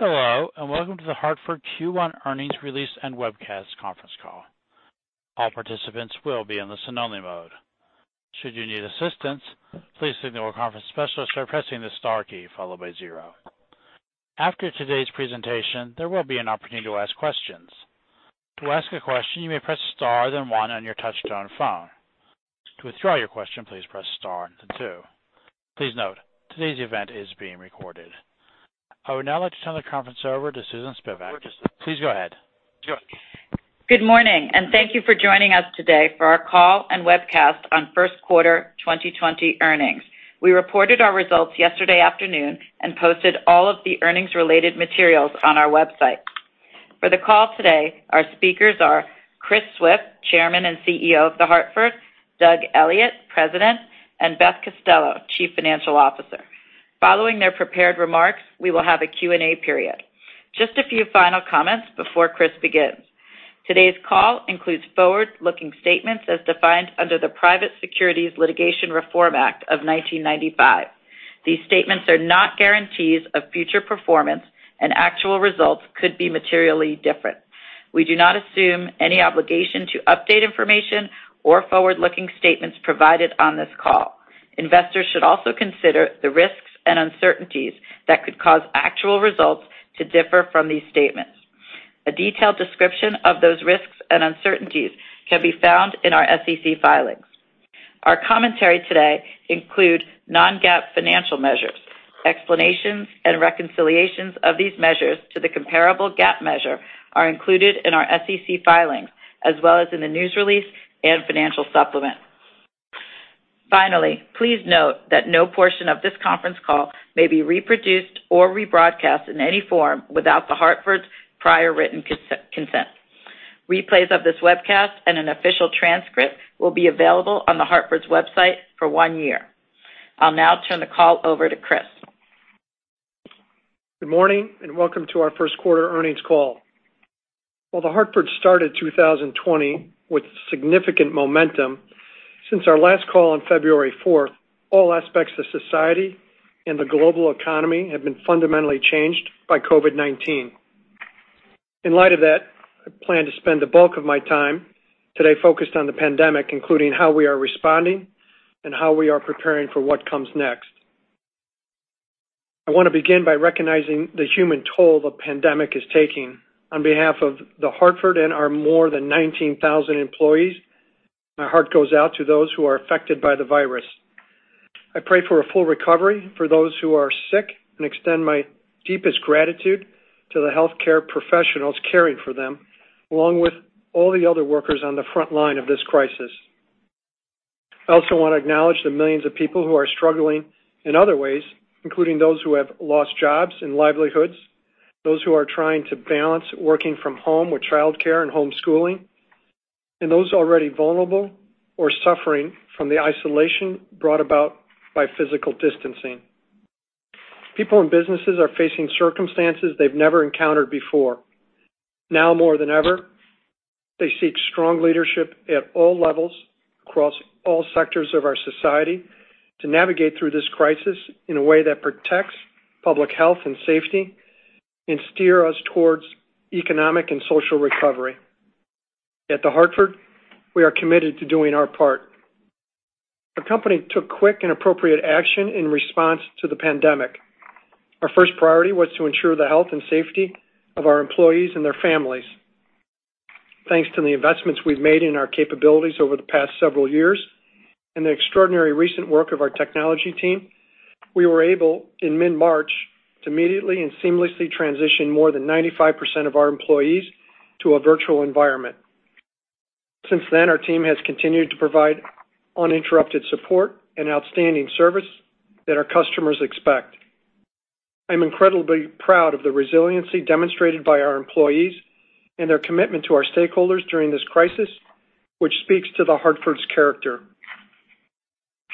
Hello, and welcome to The Hartford Q1 earnings release and webcast conference call. All participants will be in the listen-only mode. Should you need assistance, please signal a conference specialist by pressing the star key followed by zero. After today's presentation, there will be an opportunity to ask questions. To ask a question, you may press star, then one on your touchtone phone. To withdraw your question, please press star and then 2. Please note, today's event is being recorded. I would now like to turn the conference over to Susan Spivak. Please go ahead. Good morning and thank you for joining us today for our call and webcast on first quarter 2020 earnings. We reported our results yesterday afternoon and posted all of the earnings-related materials on our website. For the call today, our speakers are Chris Swift, Chairman and CEO of The Hartford, Doug Elliott, President, and Beth Costello, Chief Financial Officer. Following their prepared remarks, we will have a Q&A period. Just a few final comments before Chris begins. Today's call includes forward-looking statements as defined under the Private Securities Litigation Reform Act of 1995. These statements are not guarantees of future performance, and actual results could be materially different. We do not assume any obligation to update information or forward-looking statements provided on this call. Investors should also consider the risks and uncertainties that could cause actual results to differ from these statements. A detailed description of those risks and uncertainties can be found in our SEC filings. Our commentary today includes non-GAAP financial measures. Explanations and reconciliations of these measures to the comparable GAAP measure are included in our SEC filings, as well as in the news release and financial supplement. Finally, please note that no portion of this conference call may be reproduced or rebroadcast in any form without The Hartford's prior written consent. Replays of this webcast and an official transcript will be available on The Hartford's website for one year. I'll now turn the call over to Chris. Good morning, and welcome to our first quarter earnings call. While The Hartford started 2020 with significant momentum, since our last call on February fourth, all aspects of society and the global economy have been fundamentally changed by COVID-19. In light of that, I plan to spend the bulk of my time today focused on the pandemic, including how we are responding and how we are preparing for what comes next. I want to begin by recognizing the human toll the pandemic is taking. On behalf of The Hartford and our more than 19,000 employees, my heart goes out to those who are affected by the virus. I pray for a full recovery for those who are sick and extend my deepest gratitude to the healthcare professionals caring for them, along with all the other workers on the front line of this crisis. I also want to acknowledge the millions of people who are struggling in other ways, including those who have lost jobs and livelihoods, those who are trying to balance working from home with childcare and homeschooling, and those already vulnerable or suffering from the isolation brought about by physical distancing. People and businesses are facing circumstances they've never encountered before. Now more than ever, they seek strong leadership at all levels, across all sectors of our society, to navigate through this crisis in a way that protects public health and safety and steer us towards economic and social recovery. At The Hartford, we are committed to doing our part. The company took quick and appropriate action in response to the pandemic. Our first priority was to ensure the health and safety of our employees and their families. Thanks to the investments we've made in our capabilities over the past several years and the extraordinary recent work of our technology team, we were able, in mid-March, to immediately and seamlessly transition more than 95% of our employees to a virtual environment. Since then, our team has continued to provide uninterrupted support and outstanding service that our customers expect. I'm incredibly proud of the resiliency demonstrated by our employees and their commitment to our stakeholders during this crisis, which speaks to The Hartford's character.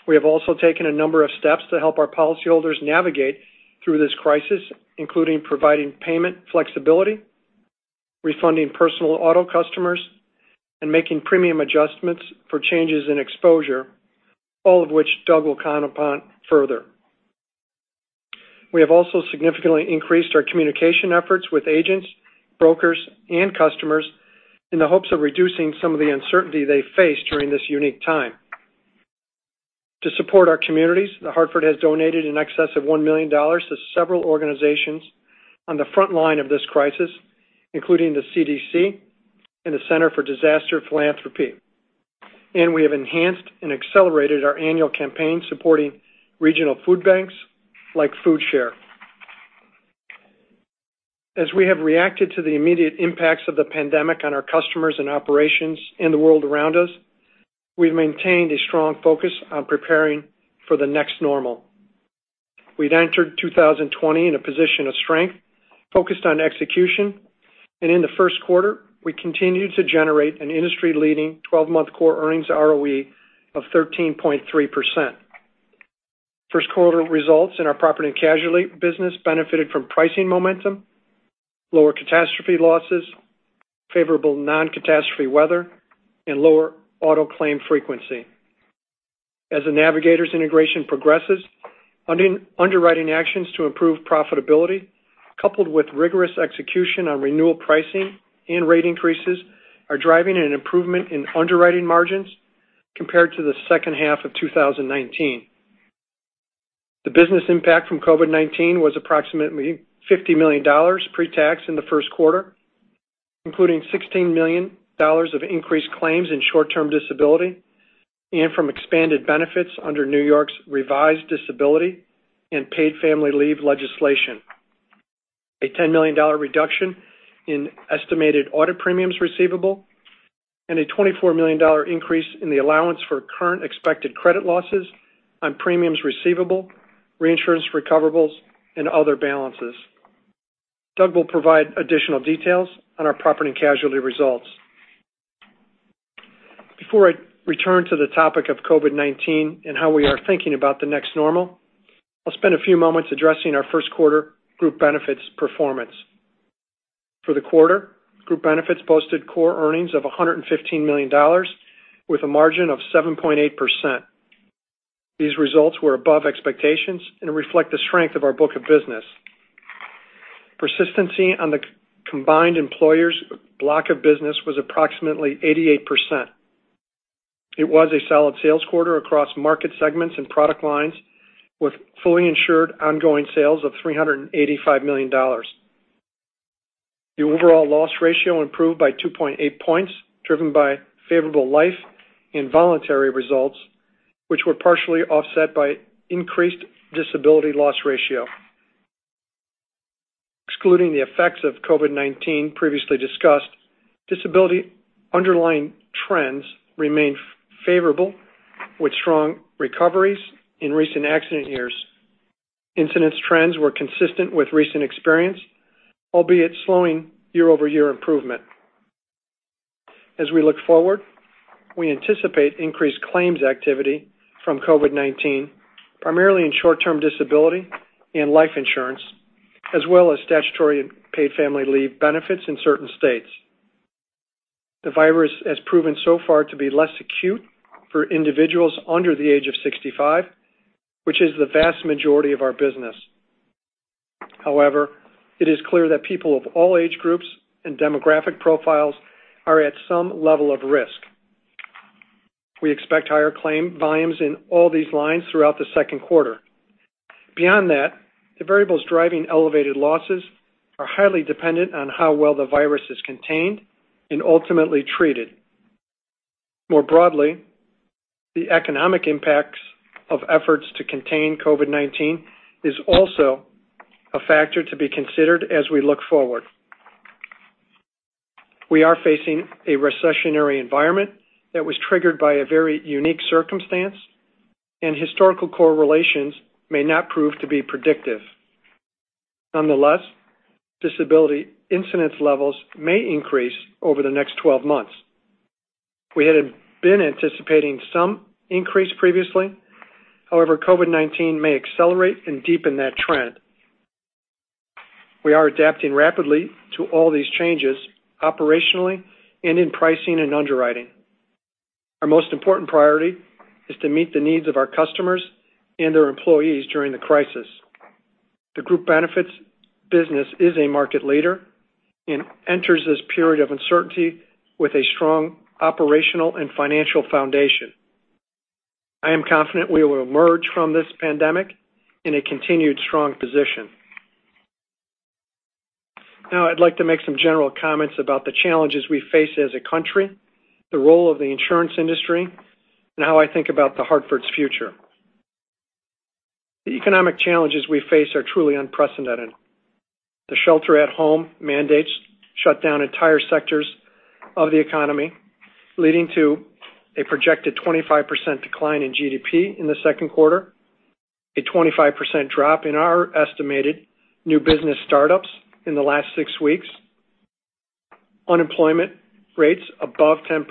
We have also taken a number of steps to help our policyholders navigate through this crisis, including providing payment flexibility, refunding personal auto customers, and making premium adjustments for changes in exposure, all of which Doug will comment upon further. We have also significantly increased our communication efforts with agents, brokers, and customers in the hopes of reducing some of the uncertainty they face during this unique time. To support our communities, The Hartford has donated in excess of $1 million to several organizations on the front line of this crisis, including the CDC and the Center for Disaster Philanthropy, and we have enhanced and accelerated our annual campaign supporting regional food banks like Foodshare. As we have reacted to the immediate impacts of the pandemic on our customers and operations and the world around us, we've maintained a strong focus on preparing for the next normal. We'd entered 2020 in a position of strength, focused on execution, and in the first quarter, we continued to generate an industry-leading twelve-month core earnings ROE of 13.3%. First quarter results in our property and casualty business benefited from pricing momentum, lower catastrophe losses, favorable non-catastrophe weather, and lower auto claim frequency. As the Navigators integration progresses, underwriting actions to improve profitability, coupled with rigorous execution on renewal pricing and rate increases, are driving an improvement in underwriting margins compared to the second half of two thousand and nineteen. The business impact from COVID-19 was approximately $50 million pre-tax in the first quarter, including $16 million of increased claims in short-term disability and from expanded benefits under New York's revised disability and paid family leave legislation. A $10 million reduction in estimated audit premiums receivable, and a $24 million increase in the allowance for current expected credit losses on premiums receivable, reinsurance recoverables, and other balances. Doug will provide additional details on our property and casualty results. Before I return to the topic of COVID-19 and how we are thinking about the next normal, I'll spend a few moments addressing our first quarter group benefits performance. For the quarter, group benefits boasted core earnings of $115 million, with a margin of 7.8%. These results were above expectations and reflect the strength of our book of business. Persistency on the combined employers block of business was approximately 88%. It was a solid sales quarter across market segments and product lines, with fully insured ongoing sales of $385 million. The overall loss ratio improved by 2.8 points, driven by favorable life and voluntary results, which were partially offset by increased disability loss ratio. Excluding the effects of COVID-19 previously discussed, disability underlying trends remained favorable, with strong recoveries in recent accident years. Incidence trends were consistent with recent experience, albeit slowing year-over-year improvement. As we look forward, we anticipate increased claims activity from COVID-19, primarily in short-term disability and life insurance, as well as statutory paid family leave benefits in certain states. The virus has proven so far to be less acute for individuals under the age of sixty-five, which is the vast majority of our business. However, it is clear that people of all age groups and demographic profiles are at some level of risk. We expect higher claim volumes in all these lines throughout the second quarter. Beyond that, the variables driving elevated losses are highly dependent on how well the virus is contained and ultimately treated. More broadly, the economic impacts of efforts to contain COVID-19 is also a factor to be considered as we look forward. We are facing a recessionary environment that was triggered by a very unique circumstance, and historical correlations may not prove to be predictive. Nonetheless, disability incidence levels may increase over the next twelve months. We had been anticipating some increase previously. However, COVID-19 may accelerate and deepen that trend. We are adapting rapidly to all these changes operationally and in pricing and underwriting. Our most important priority is to meet the needs of our customers and their employees during the crisis. The group benefits business is a market leader and enters this period of uncertainty with a strong operational and financial foundation. I am confident we will emerge from this pandemic in a continued strong position. Now, I'd like to make some general comments about the challenges we face as a country, the role of the insurance industry, and how I think about The Hartford's future. The economic challenges we face are truly unprecedented. The shelter-at-home mandates shut down entire sectors of the economy, leading to a projected 25% decline in GDP in the second quarter, a 25% drop in our estimated new business startups in the last six weeks, unemployment rates above 10%,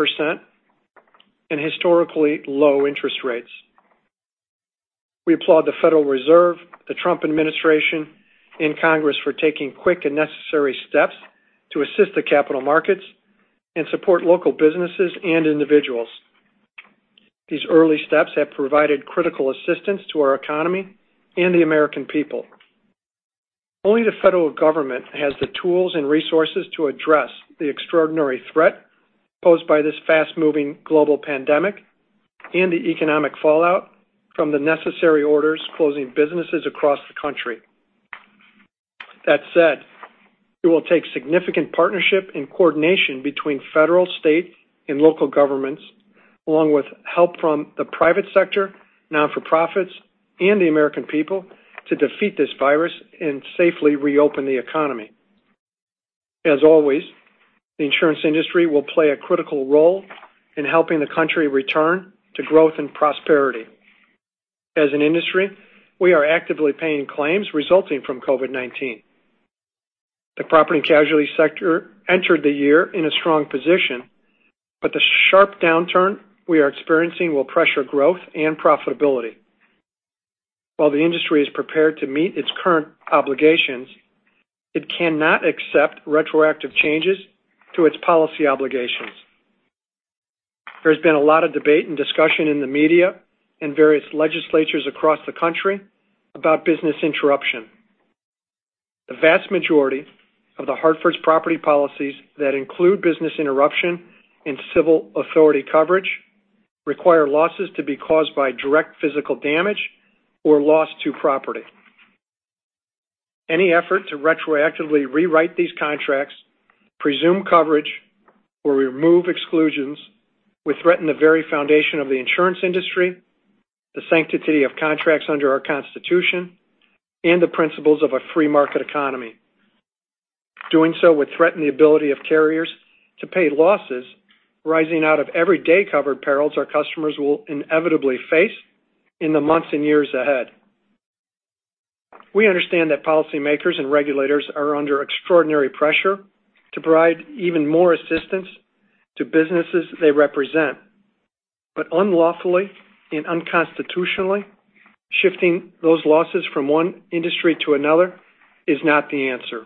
and historically low interest rates. We applaud the Federal Reserve, the Trump Administration, and Congress for taking quick and necessary steps to assist the capital markets and support local businesses and individuals. These early steps have provided critical assistance to our economy and the American people. Only the federal government has the tools and resources to address the extraordinary threat posed by this fast-moving global pandemic and the economic fallout from the necessary orders closing businesses across the country. That said, it will take significant partnership and coordination between federal, state, and local governments, along with help from the private sector, not-for-profits, and the American people, to defeat this virus and safely reopen the economy. As always, the insurance industry will play a critical role in helping the country return to growth and prosperity. As an industry, we are actively paying claims resulting from COVID-19. The property and casualty sector entered the year in a strong position, but the sharp downturn we are experiencing will pressure growth and profitability, while the industry is prepared to meet its current obligations, it cannot accept retroactive changes to its policy obligations. There's been a lot of debate and discussion in the media and various legislatures across the country about business interruption. The vast majority of The Hartford's property policies that include business interruption and civil authority coverage require losses to be caused by direct physical damage or loss to property. Any effort to retroactively rewrite these contracts, presume coverage, or remove exclusions would threaten the very foundation of the insurance industry, the sanctity of contracts under our Constitution, and the principles of a free market economy. Doing so would threaten the ability of carriers to pay losses arising out of everyday covered perils our customers will inevitably face in the months and years ahead. We understand that policymakers and regulators are under extraordinary pressure to provide even more assistance to businesses they represent, but unlawfully and unconstitutionally shifting those losses from one industry to another is not the answer.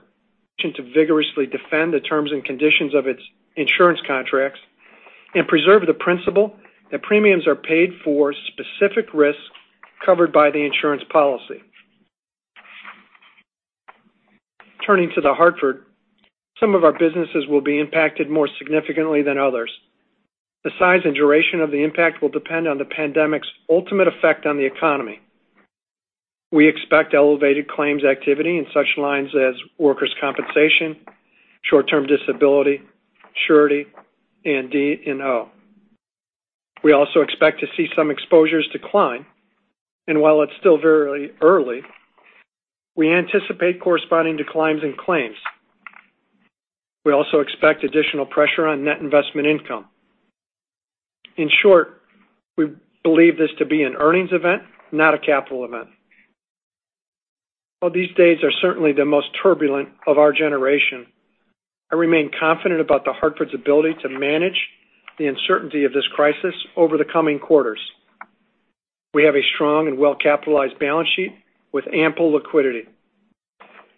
To vigorously defend the terms and conditions of its insurance contracts and preserve the principle that premiums are paid for specific risks covered by the insurance policy. Turning to The Hartford, some of our businesses will be impacted more significantly than others. The size and duration of the impact will depend on the pandemic's ultimate effect on the economy. We expect elevated claims activity in such lines as workers' compensation, short-term disability, surety, and D&O. We also expect to see some exposures decline, and while it's still very early, we anticipate corresponding declines in claims. We also expect additional pressure on net investment income. In short, we believe this to be an earnings event, not a capital event. While these days are certainly the most turbulent of our generation, I remain confident about The Hartford's ability to manage the uncertainty of this crisis over the coming quarters. We have a strong and well-capitalized balance sheet with ample liquidity.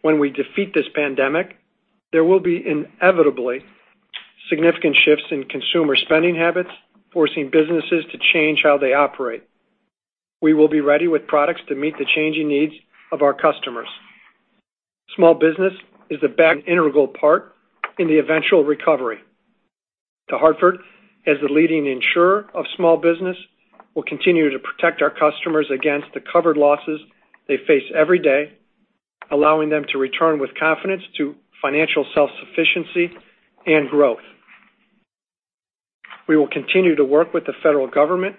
When we defeat this pandemic, there will be inevitably significant shifts in consumer spending habits, forcing businesses to change how they operate. We will be ready with products to meet the changing needs of our customers. Small business is the backbone integral part in the eventual recovery. The Hartford, as the leading insurer of small business, will continue to protect our customers against the covered losses they face every day, allowing them to return with confidence to financial self-sufficiency and growth. We will continue to work with the federal government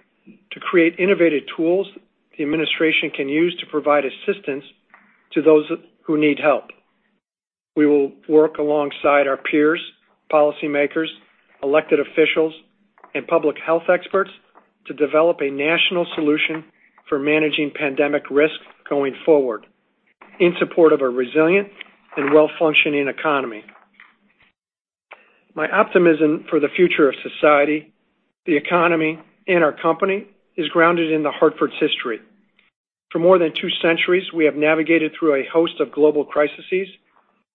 to create innovative tools the administration can use to provide assistance to those who need help. We will work alongside our peers, policymakers, elected officials, and public health experts to develop a national solution for managing pandemic risk going forward in support of a resilient and well-functioning economy. My optimism for the future of society, the economy, and our company is grounded in The Hartford's history. For more than two centuries, we have navigated through a host of global crises,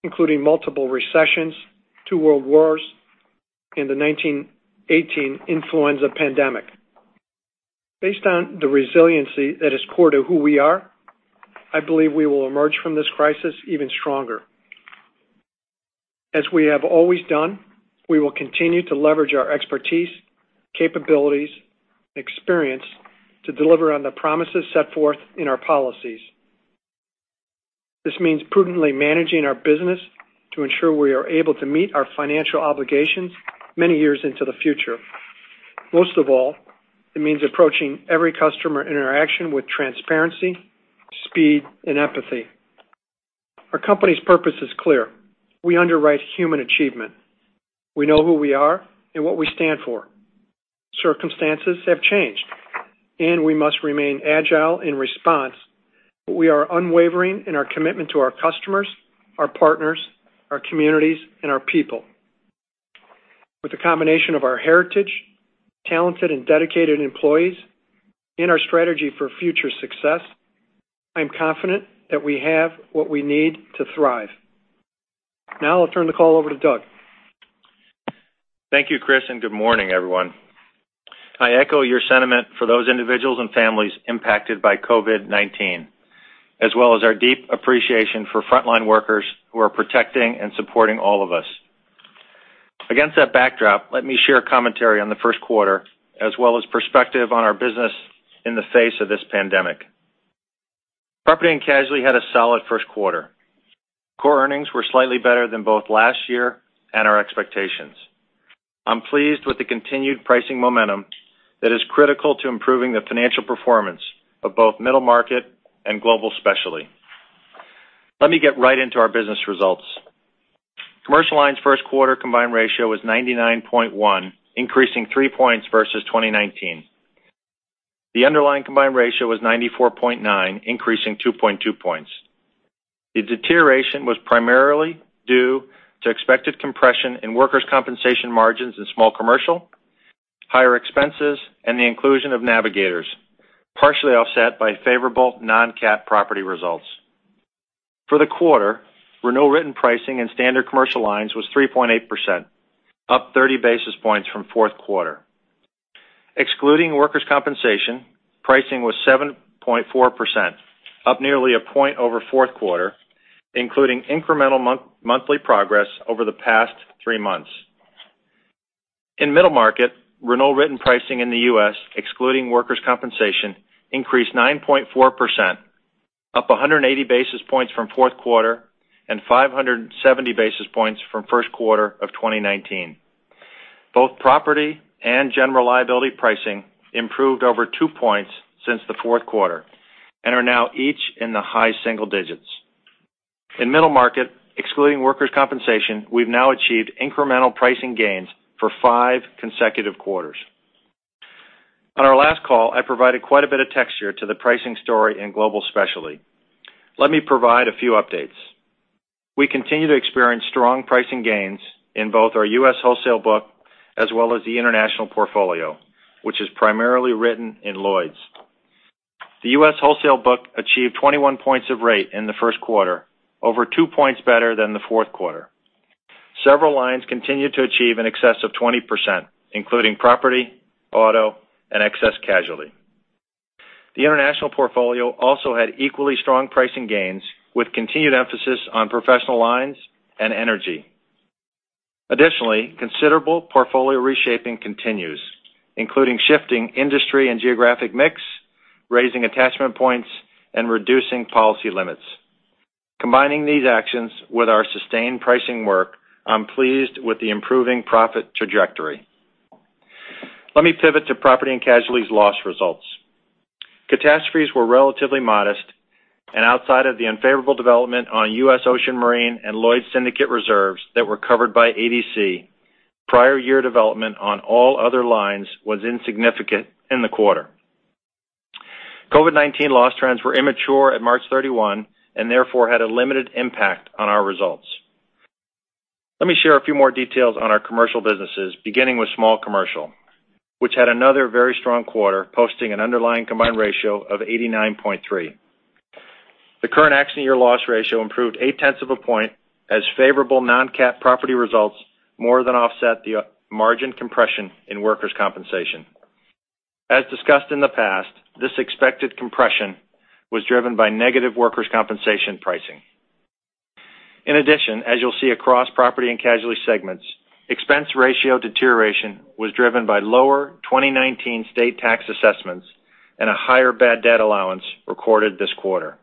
including multiple recessions, two world wars, and the nineteen eighteen influenza pandemic. Based on the resiliency that is core to who we are, I believe we will emerge from this crisis even stronger. As we have always done, we will continue to leverage our expertise, capabilities, and experience to deliver on the promises set forth in our policies. This means prudently managing our business to ensure we are able to meet our financial obligations many years into the future. Most of all, it means approaching every customer interaction with transparency, speed, and empathy. Our company's purpose is clear: We underwrite human achievement. We know who we are and what we stand for. Circumstances have changed, and we must remain agile in response, but we are unwavering in our commitment to our customers, our partners, our communities, and our people. With the combination of our heritage, talented and dedicated employees, and our strategy for future success, I'm confident that we have what we need to thrive. Now I'll turn the call over to Doug. Thank you, Chris, and good morning, everyone. I echo your sentiment for those individuals and families impacted by COVID-19, as well as our deep appreciation for frontline workers who are protecting and supporting all of us. Against that backdrop, let me share a commentary on the first quarter, as well as perspective on our business in the face of this pandemic. Property and casualty had a solid first quarter. Core earnings were slightly better than both last year and our expectations. I'm pleased with the continued pricing momentum that is critical to improving the financial performance of both middle market and Global Specialty. Let me get right into our business results. Commercial lines' first quarter combined ratio was 99.1, increasing 3 points versus 2019. The underlying combined ratio was 94.9, increasing 2.2 points. The deterioration was primarily due to expected compression in workers' compensation margins in small commercial, higher expenses, and the inclusion of Navigators, partially offset by favorable non-cat property results. For the quarter, renewal written pricing in standard commercial lines was 3.8%, up 30 basis points from fourth quarter. Excluding workers' compensation, pricing was 7.4%, up nearly a point over fourth quarter, including incremental monthly progress over the past three months. In middle market, renewal written pricing in the U.S., excluding workers' compensation, increased 9.4%, up 180 basis points from fourth quarter, and 570 basis points from first quarter of 2019. Both property and general liability pricing improved over two points since the fourth quarter and are now each in the high single digits. In middle market, excluding workers' compensation, we've now achieved incremental pricing gains for five consecutive quarters. On our last call, I provided quite a bit of texture to the pricing story in Global Specialty. Let me provide a few updates. We continue to experience strong pricing gains in both our US wholesale book as well as the international portfolio, which is primarily written in Lloyd's. The US wholesale book achieved 21 points of rate in the first quarter, over 2 points better than the fourth quarter. Several lines continued to achieve in excess of 20%, including property, auto, and excess casualty. The international portfolio also had equally strong pricing gains, with continued emphasis on professional lines and energy. Additionally, considerable portfolio reshaping continues, including shifting industry and geographic mix, raising attachment points, and reducing policy limits. Combining these actions with our sustained pricing work, I'm pleased with the improving profit trajectory. Let me pivot to property and casualties' loss results. Catastrophes were relatively modest, and outside of the unfavorable development on U.S. Ocean Marine and Lloyd's Syndicate reserves that were covered by ADC, prior year development on all other lines was insignificant in the quarter. COVID-19 loss trends were immature at March 31, and therefore, had a limited impact on our results. Let me share a few more details on our commercial businesses, beginning with small commercial, which had another very strong quarter, posting an underlying combined ratio of 89.3. The current accident year loss ratio improved 0.8 of a point as favorable non-cat property results more than offset the margin compression in workers' compensation. As discussed in the past, this expected compression was driven by negative workers' compensation pricing. In addition, as you'll see across property and casualty segments, expense ratio deterioration was driven by lower 2019 state tax assessments and a higher bad debt allowance recorded this quarter.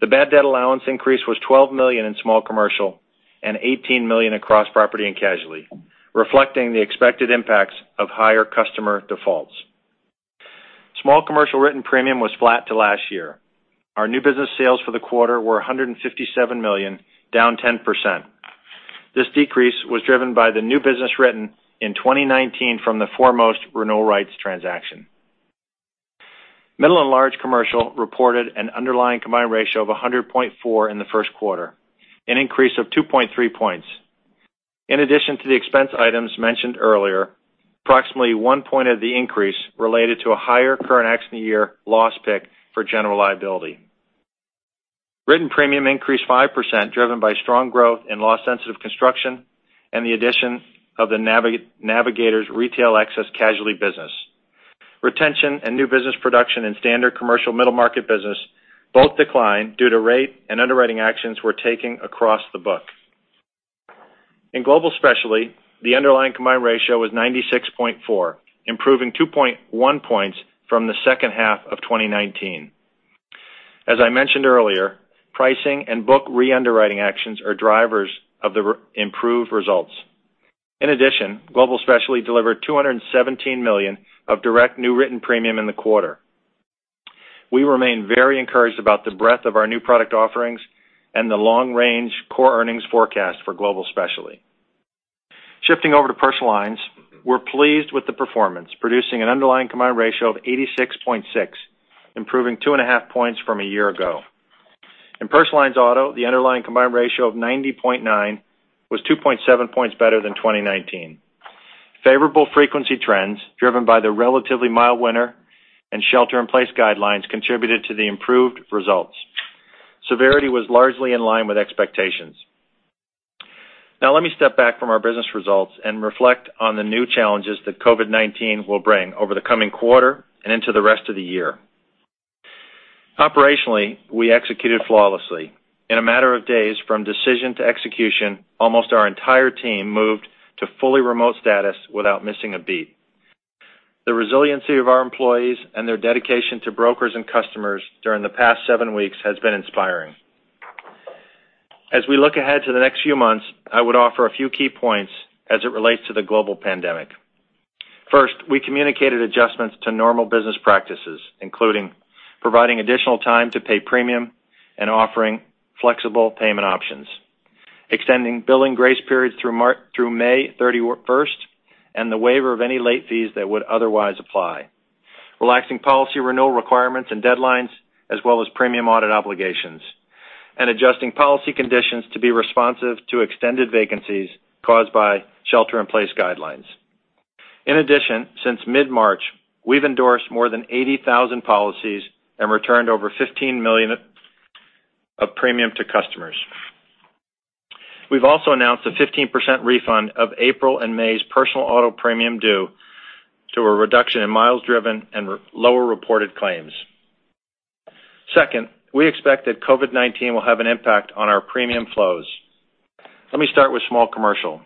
The bad debt allowance increase was $12 million in small commercial and $18 million across property and casualty, reflecting the expected impacts of higher customer defaults. Small commercial written premium was flat to last year. Our new business sales for the quarter were $157 million, down 10%. This decrease was driven by the new business written in 2019 from the Foremost renewal rights transaction. Middle and large commercial reported an underlying combined ratio of 100.4 in the first quarter, an increase of 2.3 points. In addition to the expense items mentioned earlier, approximately 1 point of the increase related to a higher current accident year loss pick for general liability. Written premium increased 5%, driven by strong growth in loss-sensitive construction and the addition of the Navigators retail excess casualty business. Retention and new business production in standard commercial middle market business both declined due to rate and underwriting actions we're taking across the book. In Global Specialty, the underlying combined ratio was 96.4, improving 2.1 points from the second half of 2019. As I mentioned earlier, pricing and book re-underwriting actions are drivers of the improved results. In addition, Global Specialty delivered 217 million of direct new written premium in the quarter. We remain very encouraged about the breadth of our new product offerings and the long-range core earnings forecast for Global Specialty. Shifting over to personal lines, we're pleased with the performance, producing an underlying combined ratio of 86.6, improving 2.5 points from a year ago. In personal lines auto, the underlying combined ratio of 90.9 was 2.7 points better than 2019. Favorable frequency trends, driven by the relatively mild winter and shelter in place guidelines, contributed to the improved results. Severity was largely in line with expectations. Now, let me step back from our business results and reflect on the new challenges that COVID-19 will bring over the coming quarter and into the rest of the year. Operationally, we executed flawlessly. In a matter of days, from decision to execution, almost our entire team moved to fully remote status without missing a beat. The resiliency of our employees and their dedication to brokers and customers during the past seven weeks has been inspiring. As we look ahead to the next few months, I would offer a few key points as it relates to the global pandemic. First, we communicated adjustments to normal business practices, including providing additional time to pay premium and offering flexible payment options, extending billing grace periods through March through May 31st, and the waiver of any late fees that would otherwise apply. Relaxing policy renewal requirements and deadlines, as well as premium audit obligations, and adjusting policy conditions to be responsive to extended vacancies caused by shelter-in-place guidelines. In addition, since mid-March, we've endorsed more than 80,000 policies and returned over $15 million of premium to customers. We've also announced a 15% refund of April and May's personal auto premium due to a reduction in miles driven and relatively lower reported claims. Second, we expect that COVID-19 will have an impact on our premium flows. Let me start with small commercial.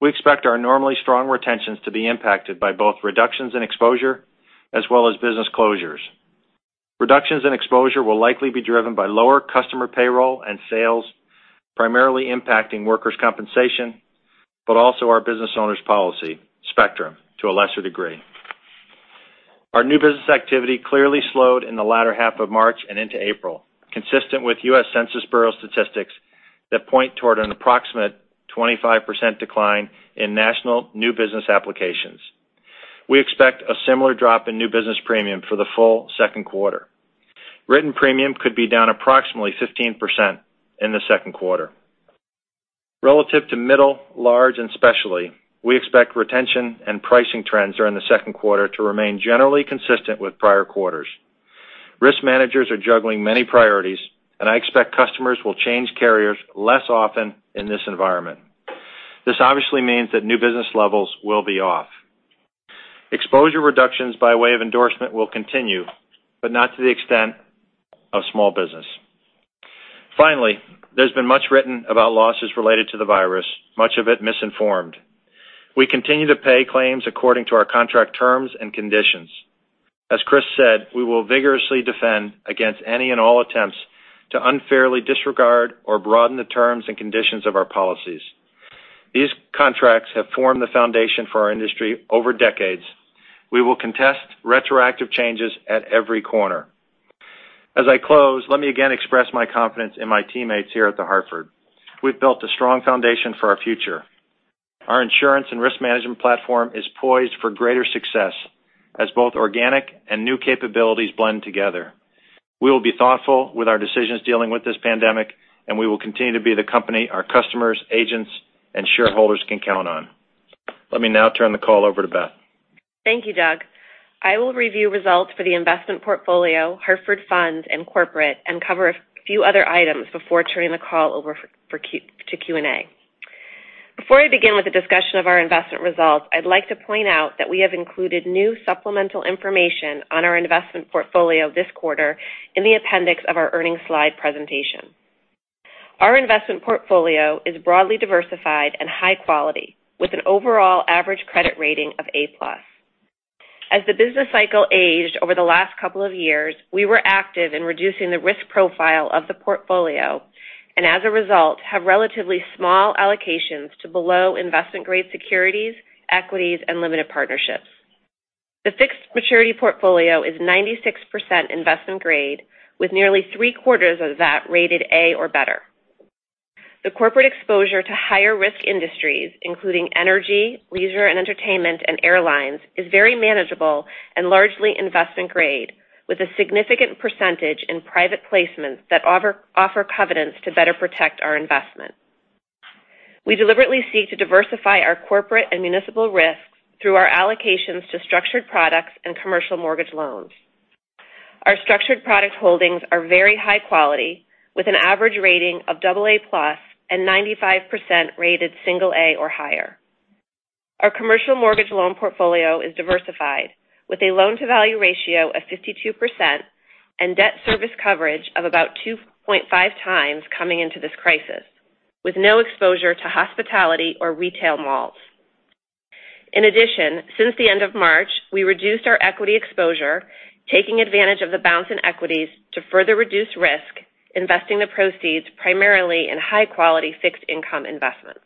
We expect our normally strong retentions to be impacted by both reductions in exposure as well as business closures. Reductions in exposure will likely be driven by lower customer payroll and sales, primarily impacting workers' compensation, but also our business owner's policy, Spectrum, to a lesser degree. Our new business activity clearly slowed in the latter half of March and into April, consistent with U.S. Census Bureau statistics that point toward an approximate 25% decline in national new business applications. We expect a similar drop in new business premium for the full second quarter. Written premium could be down approximately 15% in the second quarter. Relative to middle, large, and specialty, we expect retention and pricing trends during the second quarter to remain generally consistent with prior quarters. Risk managers are juggling many priorities, and I expect customers will change carriers less often in this environment. This obviously means that new business levels will be off. Exposure reductions by way of endorsement will continue, but not to the extent of small business. Finally, there's been much written about losses related to the virus, much of it misinformed. We continue to pay claims according to our contract terms and conditions. As Chris said, we will vigorously defend against any and all attempts to unfairly disregard or broaden the terms and conditions of our policies. These contracts have formed the foundation for our industry over decades. We will contest retroactive changes at every corner. As I close, let me again express my confidence in my teammates here at The Hartford. We've built a strong foundation for our future. Our insurance and risk management platform is poised for greater success as both organic and new capabilities blend together. We will be thoughtful with our decisions dealing with this pandemic, and we will continue to be the company our customers, agents, and shareholders can count on. Let me now turn the call over to Beth. Thank you, Doug. I will review results for the investment portfolio, Hartford Funds, and corporate, and cover a few other items before turning the call over to Q&A. Before I begin with the discussion of our investment results, I'd like to point out that we have included new supplemental information on our investment portfolio this quarter in the appendix of our earnings slide presentation. Our investment portfolio is broadly diversified and high quality, with an overall average credit rating of A+. As the business cycle aged over the last couple of years, we were active in reducing the risk profile of the portfolio, and as a result, have relatively small allocations to below investment-grade securities, equities, and limited partnerships. The fixed maturity portfolio is 96% investment grade, with nearly three-quarters of that rated A or better. The corporate exposure to higher-risk industries, including energy, leisure and entertainment, and airlines, is very manageable and largely investment grade, with a significant percentage in private placements that offer covenants to better protect our investment. We deliberately seek to diversify our corporate and municipal risks through our allocations to structured products and commercial mortgage loans. Our structured product holdings are very high quality, with an average rating of AA+ and 95% rated single A or higher. Our commercial mortgage loan portfolio is diversified, with a loan-to-value ratio of 52% and debt service coverage of about 2.5 times coming into this crisis, with no exposure to hospitality or retail malls. In addition, since the end of March, we reduced our equity exposure, taking advantage of the bounce in equities to further reduce risk, investing the proceeds primarily in high-quality fixed income investments.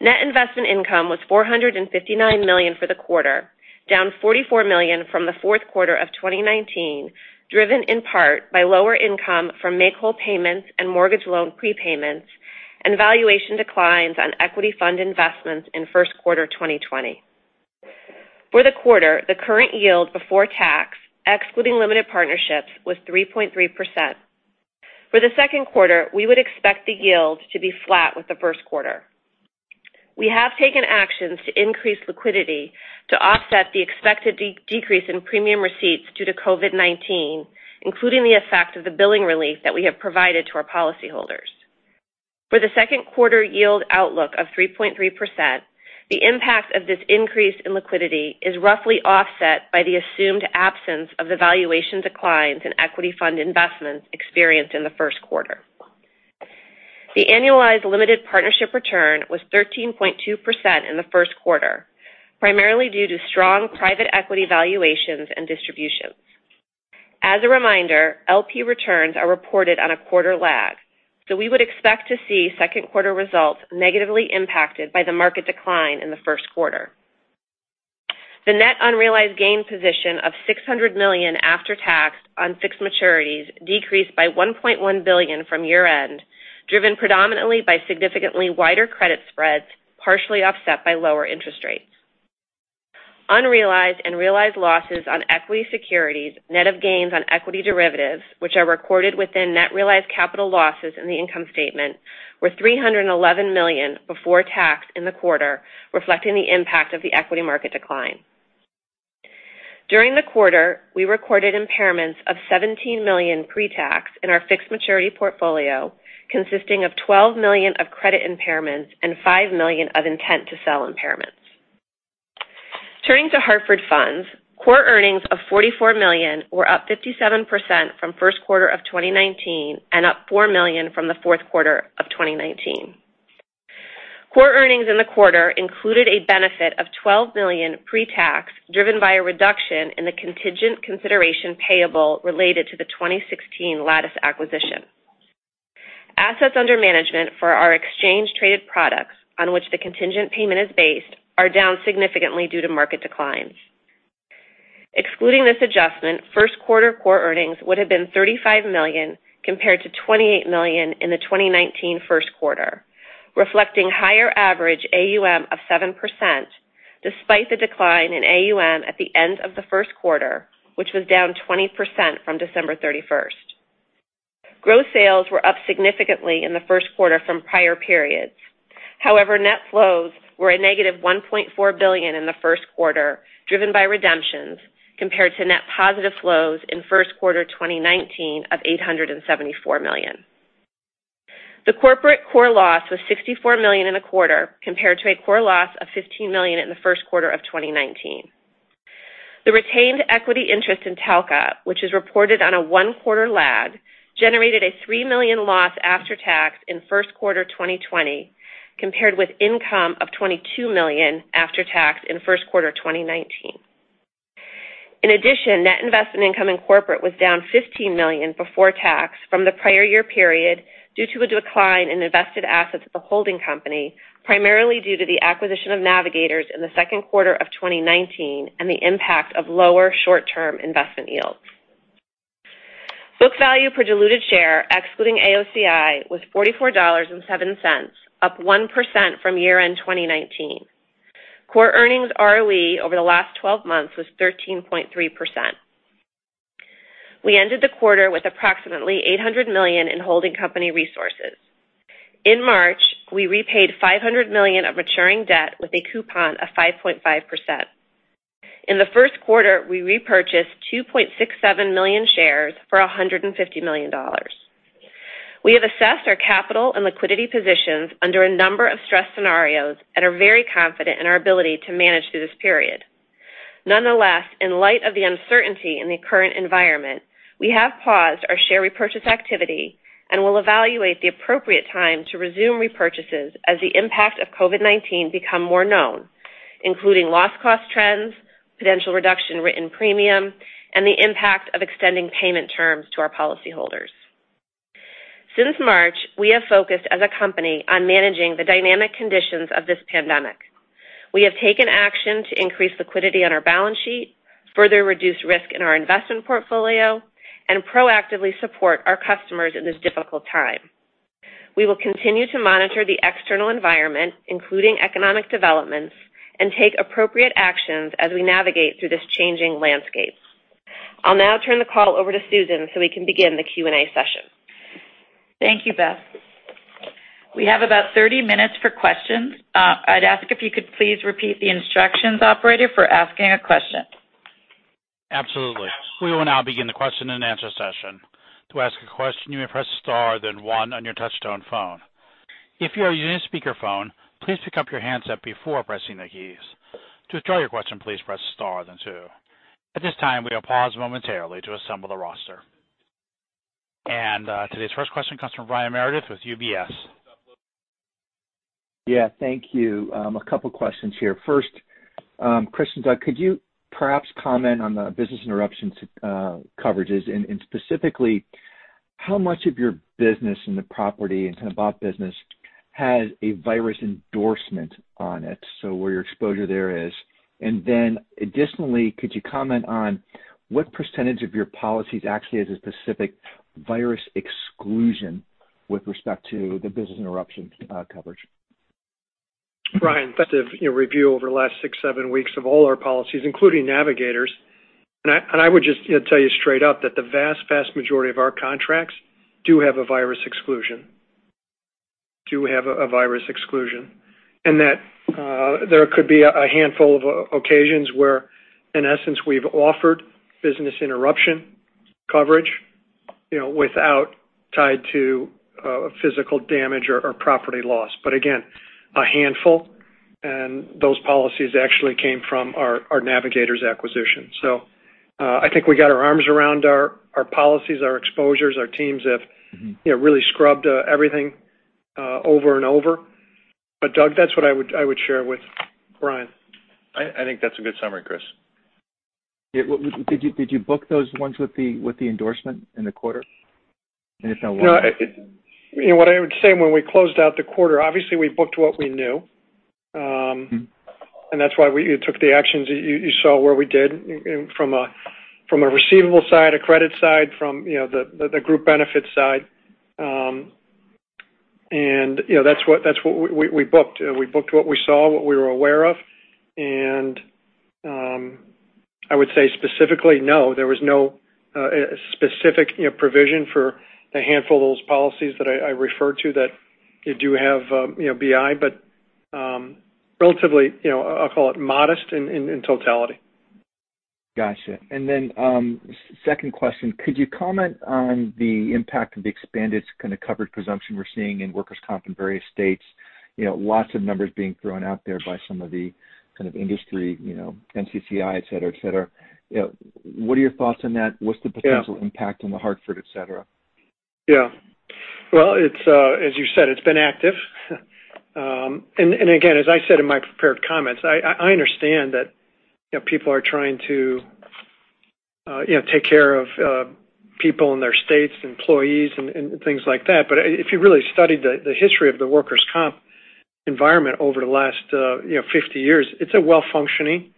Net investment income was $459 million for the quarter, down $44 million from the fourth quarter of 2019, driven in part by lower income from make-whole payments and mortgage loan prepayments and valuation declines on equity fund investments in first quarter 2020. For the quarter, the current yield before tax, excluding limited partnerships, was 3.3%. For the second quarter, we would expect the yield to be flat with the first quarter. We have taken actions to increase liquidity to offset the expected decrease in premium receipts due to COVID-19, including the effect of the billing relief that we have provided to our policyholders. For the second quarter yield outlook of 3.3%, the impact of this increase in liquidity is roughly offset by the assumed absence of the valuation declines in equity fund investments experienced in the first quarter. The annualized limited partnership return was 13.2% in the first quarter, primarily due to strong private equity valuations and distributions. As a reminder, LP returns are reported on a quarter lag, so we would expect to see second quarter results negatively impacted by the market decline in the first quarter. The net unrealized gain position of $600 million after tax on fixed maturities decreased by $1.1 billion from year-end, driven predominantly by significantly wider credit spreads, partially offset by lower interest rates. Unrealized and realized losses on equity securities, net of gains on equity derivatives, which are recorded within net realized capital losses in the income statement, were $311 million before tax in the quarter, reflecting the impact of the equity market decline. During the quarter, we recorded impairments of $17 million pre-tax in our fixed maturity portfolio, consisting of $12 million of credit impairments and $5 million of intent to sell impairments. Turning to Hartford Funds, core earnings of $44 million were up 57% from first quarter of 2019, and up $4 million from the fourth quarter of 2019. Core earnings in the quarter included a benefit of $12 billion pre-tax, driven by a reduction in the contingent consideration payable related to the 2016 Lattice acquisition. Assets under management for our exchange-traded products, on which the contingent payment is based, are down significantly due to market declines. Excluding this adjustment, first quarter core earnings would have been $35 million, compared to $28 million in the 2019 first quarter, reflecting higher average AUM of 7%, despite the decline in AUM at the end of the first quarter, which was down 20% from December 31. Gross sales were up significantly in the first quarter from prior periods. However, net flows were a negative $1.4 billion in the first quarter, driven by redemptions, compared to net positive flows in first quarter 2019 of $874 million. The corporate core loss was $64 million in a quarter, compared to a core loss of $15 million in the first quarter of 2019. The retained equity interest in Talcott, which is reported on a one-quarter lag, generated a $3 million loss after tax in first quarter 2020, compared with income of $22 million after tax in first quarter 2019. In addition, net investment income in corporate was down $15 million before tax from the prior year period due to a decline in invested assets at the holding company, primarily due to the acquisition of Navigators in the second quarter of 2019 and the impact of lower short-term investment yields. Book value per diluted share, excluding AOCI, was $44.07, up 1% from year-end 2019. Core earnings ROE over the last twelve months was 13.3%. We ended the quarter with approximately $800 million in holding company resources. In March, we repaid $500 million of maturing debt with a coupon of 5.5%. In the first quarter, we repurchased 2.67 million shares for $150 million. We have assessed our capital and liquidity positions under a number of stress scenarios and are very confident in our ability to manage through this period. Nonetheless, in light of the uncertainty in the current environment, we have paused our share repurchase activity and will evaluate the appropriate time to resume repurchases as the impact of COVID-19 become more known, including loss cost trends, potential reduction in written premium, and the impact of extending payment terms to our policyholders. Since March, we have focused as a company on managing the dynamic conditions of this pandemic. We have taken action to increase liquidity on our balance sheet, further reduce risk in our investment portfolio, and proactively support our customers in this difficult time. We will continue to monitor the external environment, including economic developments, and take appropriate actions as we navigate through this changing landscape. I'll now turn the call over to Susan, so we can begin the Q&A session. Thank you, Beth. We have about thirty minutes for questions. I'd ask if you could please repeat the instructions, Operator, for asking a question. Absolutely. We will now begin the question-and-answer session. To ask a question, you may press star, then one on your touchtone phone. If you are using a speakerphone, please pick up your handset before pressing the keys. To withdraw your question, please press star, then two. At this time, we will pause momentarily to assemble the roster, and today's first question comes from Brian Meredith with UBS. Yeah, thank you. A couple questions here. First, Chris and Doug, could you perhaps comment on the business interruption coverages? And specifically, how much of your business in the property and kind of block business has a virus endorsement on it, so where your exposure there is? And then additionally, could you comment on what percentage of your policies actually has a specific virus exclusion with respect to the business interruption coverage? Brian, effectively, in review over the last six, seven weeks of all our policies, including Navigators, and I would just, you know, tell you straight up that the vast, vast majority of our contracts do have a virus exclusion, do have a virus exclusion. And that there could be a handful of occasions where, in essence, we've offered business interruption coverage, you know, without tied to physical damage or property loss. But again, a handful, and those policies actually came from our Navigators acquisition. So, I think we got our arms around our policies, our exposures, our teams have- you know, really scrubbed everything over and over. But Doug, that's what I would share with Brian. I think that's a good summary, Chris. ... Yeah, what did you book those ones with the endorsement in the quarter? And if so, why? No, you know what I would say when we closed out the quarter, obviously, we booked what we knew. And that's why we took the actions that you saw where we did from a receivable side, a credit side, from, you know, the group benefits side. And, you know, that's what we booked. We booked what we saw, what we were aware of. And I would say specifically, no, there was no specific, you know, provision for the handful of those policies that I referred to that they do have, you know, BI. But relatively, you know, I'll call it modest in totality. Gotcha. And then, second question, could you comment on the impact of the expanded kind of coverage presumption we're seeing in workers' comp in various states? You know, lots of numbers being thrown out there by some of the kind of industry, you know, NCCI, et cetera, et cetera. You know, what are your thoughts on that? Yeah. What's the potential impact on The Hartford, et cetera? Yeah. Well, it's as you said, it's been active. And again, as I said in my prepared comments, I understand that, you know, people are trying to, you know, take care of people in their states, employees and things like that. But if you really studied the history of the workers' comp environment over the last, you know, fifty years, it's a well-functioning,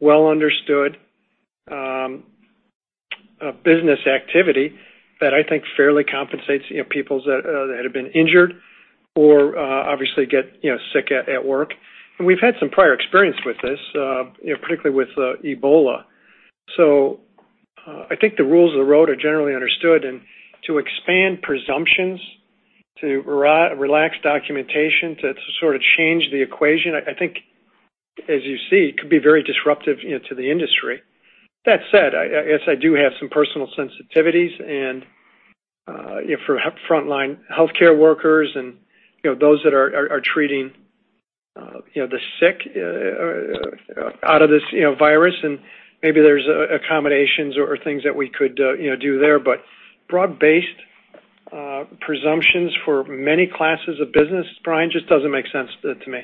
well-understood business activity that I think fairly compensates, you know, people that have been injured or obviously get, you know, sick at work. And we've had some prior experience with this, you know, particularly with Ebola. So, I think the rules of the road are generally understood. And to expand presumptions, to relax documentation, to sort of change the equation, I think, as you see, it could be very disruptive, you know, to the industry. That said, I guess I do have some personal sensitivities and, you know, for frontline healthcare workers and, you know, those that are treating, you know, the sick out of this, you know, virus, and maybe there's accommodations or things that we could, you know, do there. But broad-based presumptions for many classes of business, Brian, just doesn't make sense to me.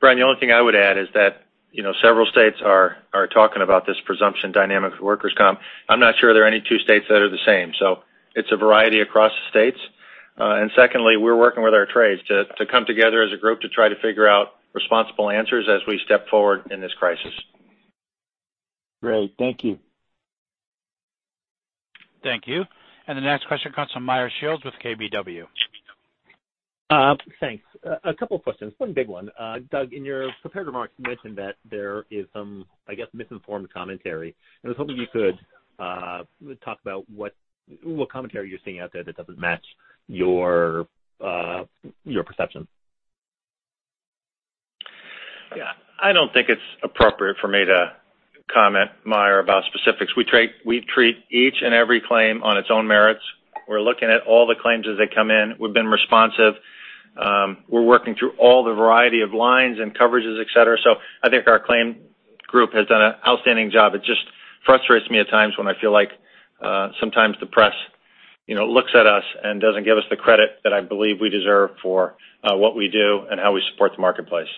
Brian, the only thing I would add is that, you know, several states are talking about this presumption dynamic with workers' comp. I'm not sure there are any two states that are the same, so it's a variety across the states. And secondly, we're working with our trades to come together as a group to try to figure out responsible answers as we step forward in this crisis. Great, thank you. Thank you. And the next question comes from Meyer Shields with KBW. Thanks. A couple of questions, one big one. Doug, in your prepared remarks, you mentioned that there is some, I guess, misinformed commentary. I was hoping you could talk about what commentary you're seeing out there that doesn't match your perception. Yeah. I don't think it's appropriate for me to comment, Meyer, about specifics. We treat each and every claim on its own merits. We're looking at all the claims as they come in. We've been responsive. We're working through all the variety of lines and coverages, et cetera. So I think our claim group has done an outstanding job. It just frustrates me at times when I feel like, sometimes the press, you know, looks at us and doesn't give us the credit that I believe we deserve for what we do and how we support the marketplace.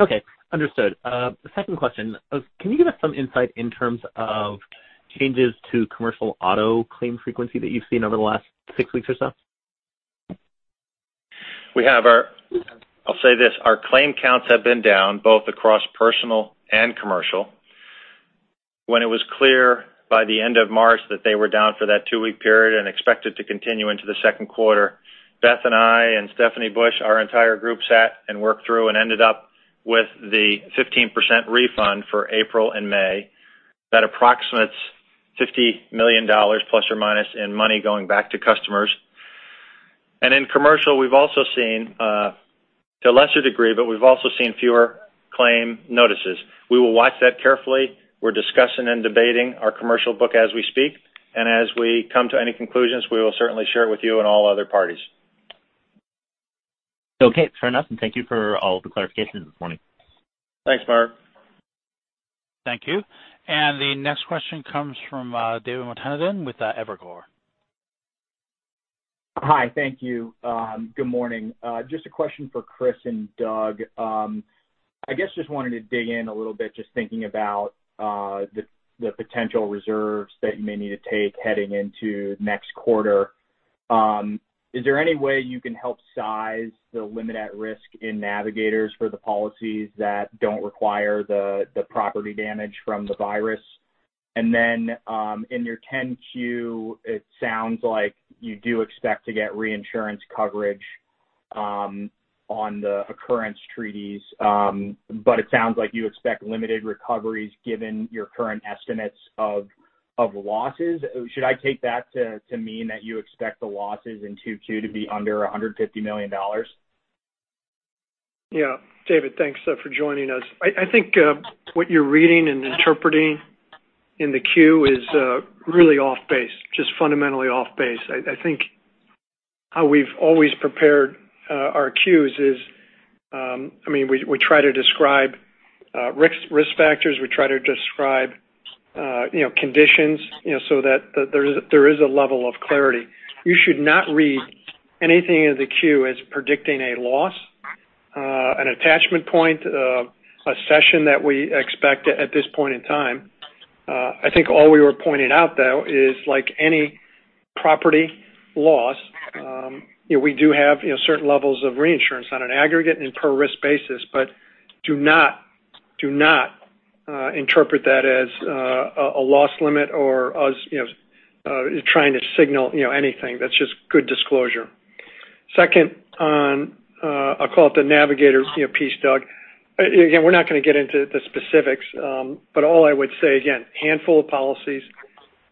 Okay, understood. The second question, can you give us some insight in terms of changes to commercial auto claim frequency that you've seen over the last six weeks or so? We have our... I'll say this, our claim counts have been down both across personal and commercial. When it was clear by the end of March that they were down for that two-week period and expected to continue into the second quarter, Beth and I and Stephanie Bush, our entire group, sat and worked through and ended up with the 15% refund for April and May. That approximates $50 million, plus or minus, in money going back to customers. And in commercial, we've also seen, to a lesser degree, but we've also seen fewer claim notices. We will watch that carefully. We're discussing and debating our commercial book as we speak, and as we come to any conclusions, we will certainly share it with you and all other parties. Okay, fair enough, and thank you for all the clarifications this morning. Thanks, Meyer. Thank you. And the next question comes from David Motemaden with Evercore. Hi, thank you. Good morning. Just a question for Chris and Doug. I guess just wanted to dig in a little bit, just thinking about the potential reserves that you may need to take heading into next quarter. Is there any way you can help size the limit at risk in Navigators for the policies that don't require the property damage from the virus? And then, in your 10-Q, it sounds like you do expect to get reinsurance coverage on the occurrence treaties, but it sounds like you expect limited recoveries, given your current estimates of losses. Should I take that to mean that you expect the losses in 2Q to be under $150 million? Yeah, David, thanks for joining us. I think what you're reading and interpreting in the Q is really off base, just fundamentally off base. I think how we've always prepared our Qs is I mean we try to describe risk factors. We try to describe you know conditions you know so that there is a level of clarity. You should not read anything in the Q as predicting a loss, an attachment point, a session that we expect at this point in time. I think all we were pointing out, though, is like any property loss, you know, we do have, you know, certain levels of reinsurance on an aggregate and per-risk basis, but do not interpret that as a loss limit or us, you know, trying to signal, you know, anything. That's just good disclosure. Second, on the Navigators piece, Doug. Again, we're not going to get into the specifics, but all I would say, again, handful of policies.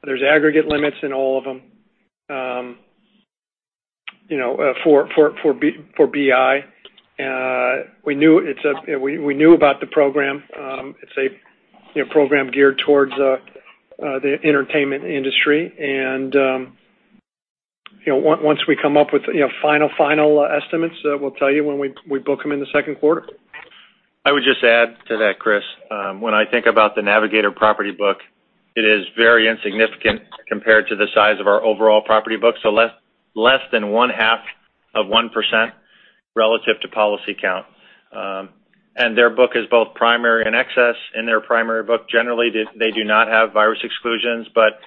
There's aggregate limits in all of them. You know, for BI. We knew about the program. It's a, you know, program geared towards the entertainment industry. Once we come up with, you know, final, final estimates, we'll tell you when we book them in the second quarter. I would just add to that, Chris. When I think about the Navigators property book, it is very insignificant compared to the size of our overall property book, so less than 0.5% relative to policy count. And their book is both primary and excess. In their primary book, generally, they do not have virus exclusions. But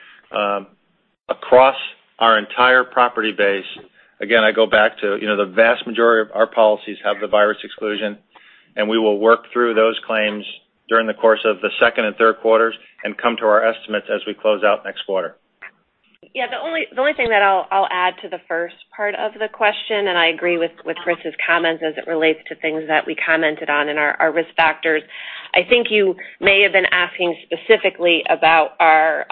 across our entire property base, again, I go back to, you know, the vast majority of our policies have the virus exclusion, and we will work through those claims during the course of the second and third quarters and come to our estimates as we close out next quarter. Yeah, the only thing that I'll add to the first part of the question, and I agree with Chris's comments as it relates to things that we commented on in our risk factors. I think you may have been asking specifically about our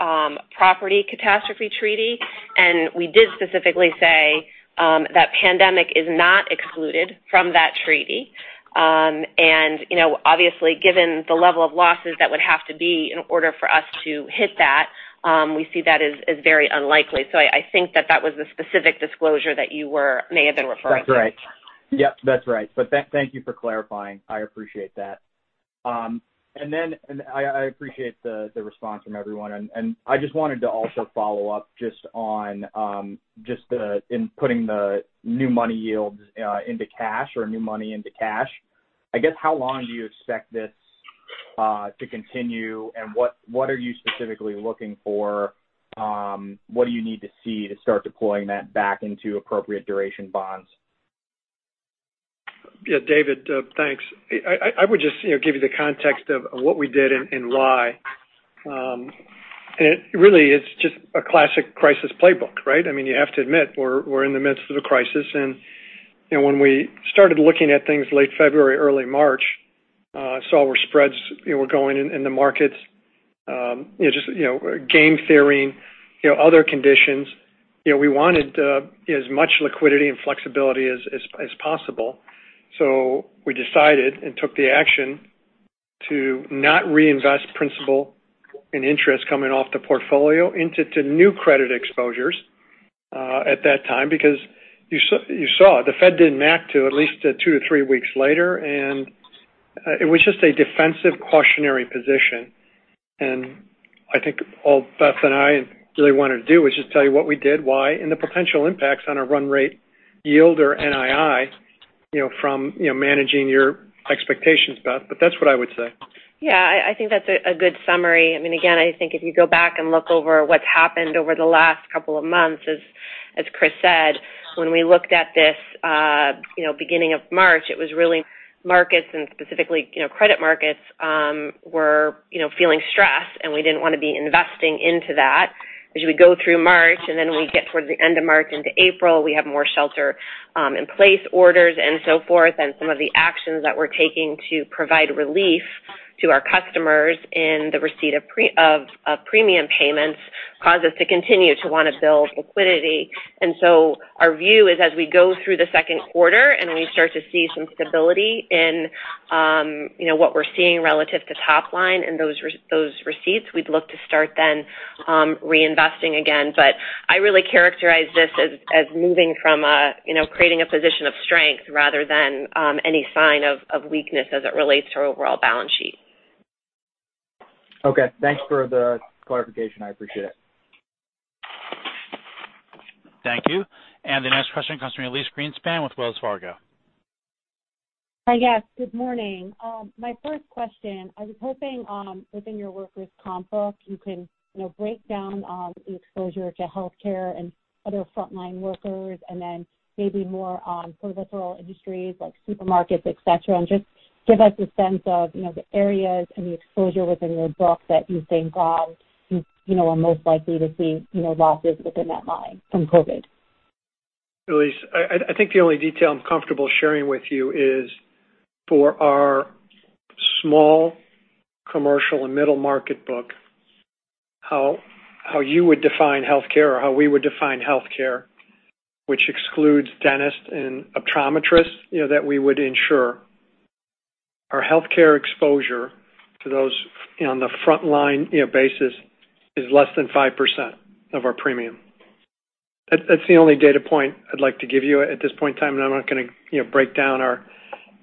property catastrophe treaty, and we did specifically say that pandemic is not excluded from that treaty. And, you know, obviously, given the level of losses that would have to be in order for us to hit that, we see that as very unlikely. So, I think that was the specific disclosure that you may have been referring to. That's right. Yep, that's right, but thank you for clarifying. I appreciate that. I appreciate the response from everyone, and I just wanted to also follow up just on investing the new money yields into cash or new money into cash. I guess, how long do you expect this to continue, and what are you specifically looking for? What do you need to see to start deploying that back into appropriate duration bonds? Yeah, David, thanks. I would just, you know, give you the context of what we did and why. And it really is just a classic crisis playbook, right? I mean, you have to admit, we're in the midst of a crisis, and, you know, when we started looking at things late February, early March, saw where spreads, you know, were going in the markets, you know, just, you know, game theory, you know, other conditions. You know, we wanted as much liquidity and flexibility as possible. So, we decided and took the action to not reinvest principal and interest coming off the portfolio into new credit exposures at that time, because you saw, the Fed didn't act to at least two to three weeks later, and it was just a defensive, cautionary position. I think all Beth and I really wanted to do was just tell you what we did, why, and the potential impacts on our run rate yield or NII, you know, from, you know, managing your expectations about it, but that's what I would say. Yeah, I think that's a good summary. I mean, again, I think if you go back and look over what's happened over the last couple of months, as Chris said, when we looked at this, you know, beginning of March, it was really markets, and specifically, you know, credit markets, were feeling stressed, and we didn't want to be investing into that. As we go through March, and then we get towards the end of March into April, we have more shelter in place orders, and so forth, and some of the actions that we're taking to provide relief to our customers in the receipt of premium payments caused us to continue to want to build liquidity. Our view is, as we go through the second quarter and we start to see some stability in, you know, what we're seeing relative to top line and those receipts, we'd look to start then, reinvesting again. I really characterize this as moving from a, you know, creating a position of strength rather than any sign of weakness as it relates to our overall balance sheet. Okay, thanks for the clarification. I appreciate it. Thank you, and the next question comes from Elyse Greenspan with Wells Fargo. Hi, yes, good morning. My first question, I was hoping within your workers' comp book you can, you know, break down the exposure to healthcare and other frontline workers, and then maybe more on essential industries like supermarkets, et cetera, and just give us a sense of, you know, the areas and the exposure within your book that you think, you know, are most likely to see, you know, losses within that line from COVID. Elyse, I think the only detail I'm comfortable sharing with you is for our small commercial and middle market book, how you would define healthcare or how we would define healthcare, which excludes dentists and optometrists, you know, that we would ensure. Our healthcare exposure to those on the frontline, you know, basis is less than 5% of our premium. That's the only data point I'd like to give you at this point in time, and I'm not gonna, you know, break down our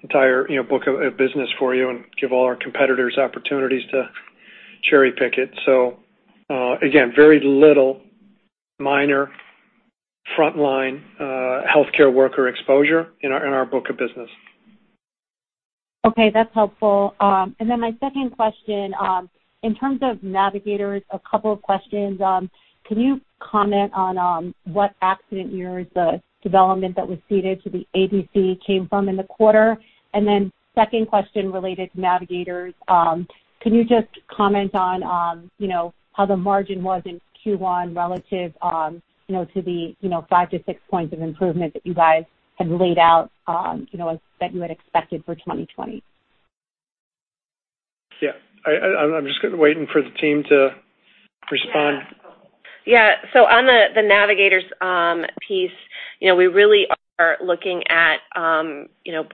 entire, you know, book of business for you and give all our competitors opportunities to cherry-pick it. So, again, very little minor frontline healthcare worker exposure in our book of business. Okay, that's helpful. And then my second question, in terms of Navigators, a couple of questions. Can you comment on what accident years the development that was ceded to the ADC came from in the quarter? And then second question related to Navigators, can you just comment on you know, how the margin was in Q1 relative, you know, to the, you know, five to six points of improvement that you guys had laid out, you know, that you had expected for 2020? Yeah. I'm just kinda waiting for the team to respond. Yeah, so on the Navigators piece, you know, we really are looking at, you know,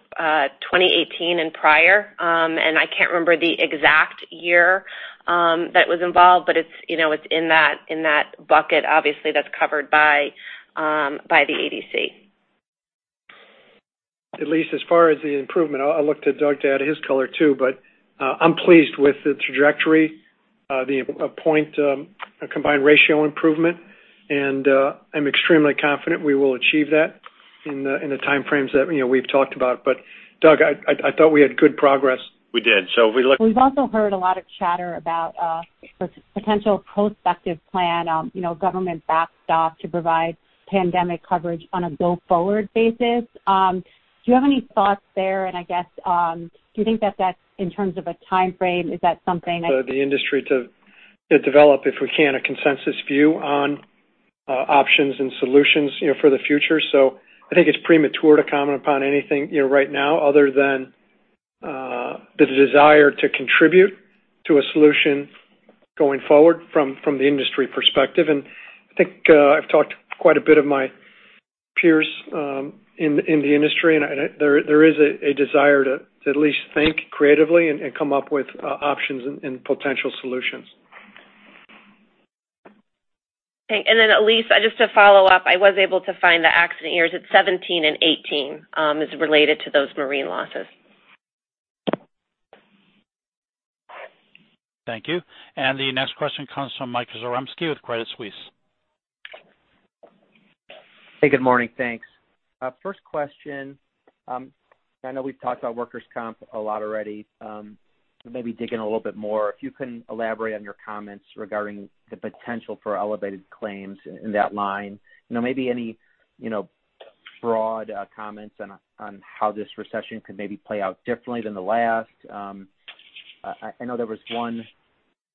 2018 and prior. And I can't remember the exact year that was involved, but it's, you know, it's in that bucket, obviously, that's covered by the ADC. Elyse, as far as the improvement, I'll look to Doug to add his color too, but I'm pleased with the trajectory, a point, a combined ratio improvement, and I'm extremely confident we will achieve that in the, in the time frames that, you know, we've talked about. But Doug, I thought we had good progress. We did. So, we look- We've also heard a lot of chatter about potential prospective plan, you know, government backstop to provide pandemic coverage on a go-forward basis. Do you have any thoughts there? And I guess, do you think that that's in terms of a timeframe, is that something that- The industry to develop, if we can, a consensus view on options and solutions, you know, for the future. So, I think it's premature to comment upon anything, you know, right now other than the desire to contribute to a solution going forward from the industry perspective. And I think I've talked to quite a bit of my peers in the industry, and there is a desire to at least think creatively and come up with options and potential solutions. Okay, and then Elyse, just to follow up, I was able to find the accident years. It's 2017 and 2018 is related to those marine losses. Thank you. And the next question comes from Mike Zaremski with Credit Suisse. Hey, good morning, thanks. First question, I know we've talked about workers' comp a lot already. Maybe digging a little bit more, if you can elaborate on your comments regarding the potential for elevated claims in that line. You know, maybe any, you know, broad comments on how this recession could maybe play out differently than the last. I know there was one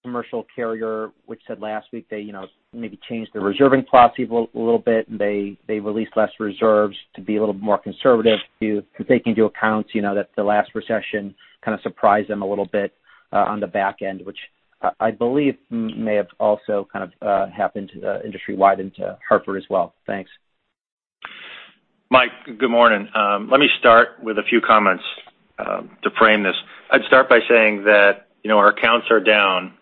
commercial carrier which said last week they, you know, maybe changed their reserving policy a little bit, and they released less reserves to be a little more conservative to taking into account, you know, that the last recession kind of surprised them a little bit on the back end, which I believe may have also kind of happened industry-wide into Hartford as well. Thanks. Mike, good morning. Let me start with a few comments to frame this. I'd start by saying that, you know, our counts are down,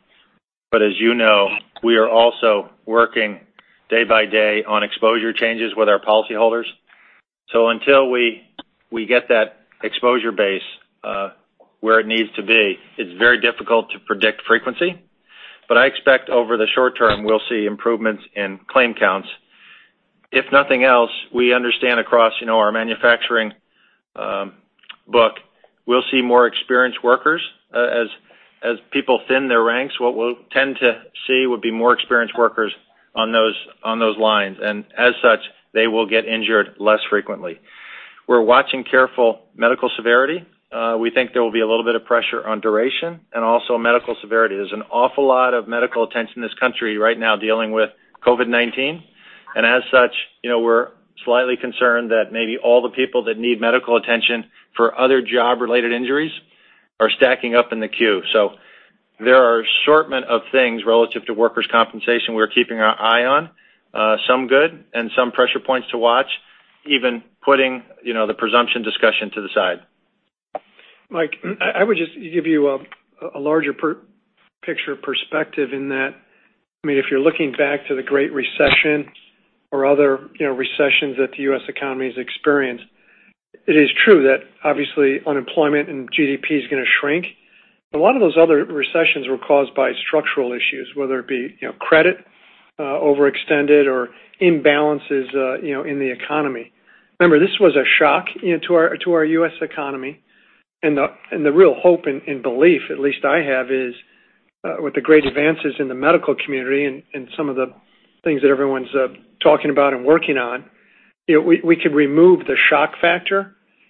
but as you know, we are also working day by day on exposure changes with our policyholders. So, until we get that exposure base where it needs to be, it's very difficult to predict frequency. But I expect over the short term, we'll see improvements in claim counts. If nothing else, we understand across, you know, our manufacturing book, we'll see more experienced workers. As people thin their ranks, what we'll tend to see would be more experienced workers on those lines, and as such, they will get injured less frequently. We're watching careful medical severity. We think there will be a little bit of pressure on duration and also medical severity. There's an awful lot of medical attention in this country right now dealing with COVID-19, and as such, you know, we're slightly concerned that maybe all the people that need medical attention for other job-related injuries are stacking up in the queue. So, there are assortment of things relative to workers' compensation we're keeping our eye on, some good and some pressure points to watch, even putting, you know, the presumption discussion to the side. Mike, I would just give you a larger picture perspective in that, I mean, if you're looking back to the Great Recession or other, you know, recessions that the US economy has experienced, it is true that obviously unemployment and GDP is gonna shrink, but a lot of those other recessions were caused by structural issues, whether it be, you know, credit overextended or imbalances, you know, in the economy. Remember, this was a shock, you know, to our U.S. economy, and the real hope and belief, at least I have, is with the great advances in the medical community and some of the things that everyone's talking about and working on, you know, we could remove the shock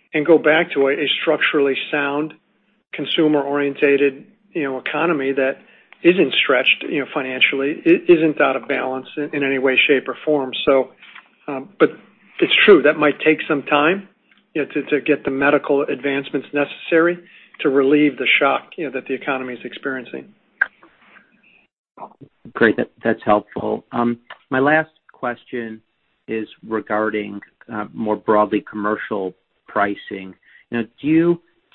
factor and go back to a structurally sound, consumer-oriented, you know, economy that isn't stretched, you know, financially, isn't out of balance in any way, shape, or form. So, but it's true, that might take some time, you know, to get the medical advancements necessary to relieve the shock, you know, that the economy is experiencing. Great. That, that's helpful. My last question is regarding more broadly commercial pricing. Now, do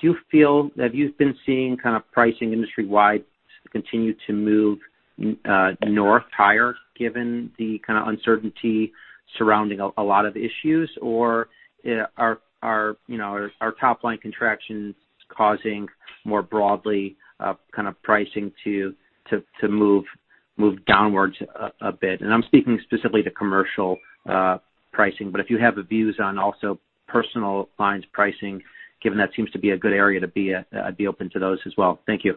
you feel... Have you been seeing kind of pricing industry-wide continue to move north, higher, given the kind of uncertainty surrounding a lot of issues? Or are you know, are our top line contractions causing more broadly kind of pricing to move downwards a bit? And I'm speaking specifically to commercial pricing, but if you have views on also personal lines pricing, given that seems to be a good area to be at, I'd be open to those as well. Thank you.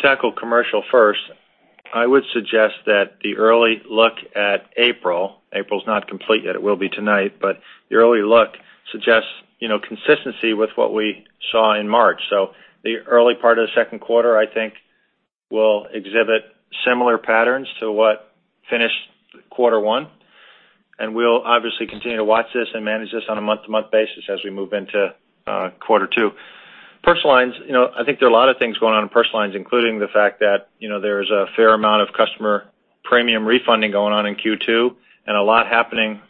Tackle commercial first. I would suggest that the early look at April, April's not complete yet, it will be tonight, but the early look suggests, you know, consistency with what we saw in March. So the early part of the second quarter, I think, will exhibit similar patterns to what finished quarter one, and we'll obviously continue to watch this and manage this on a month-to-month basis as we move into quarter two. Personal lines, you know, I think there are a lot of things going on in personal lines, including the fact that, you know, there's a fair amount of customer premium refunding going on in Q2, and a lot happening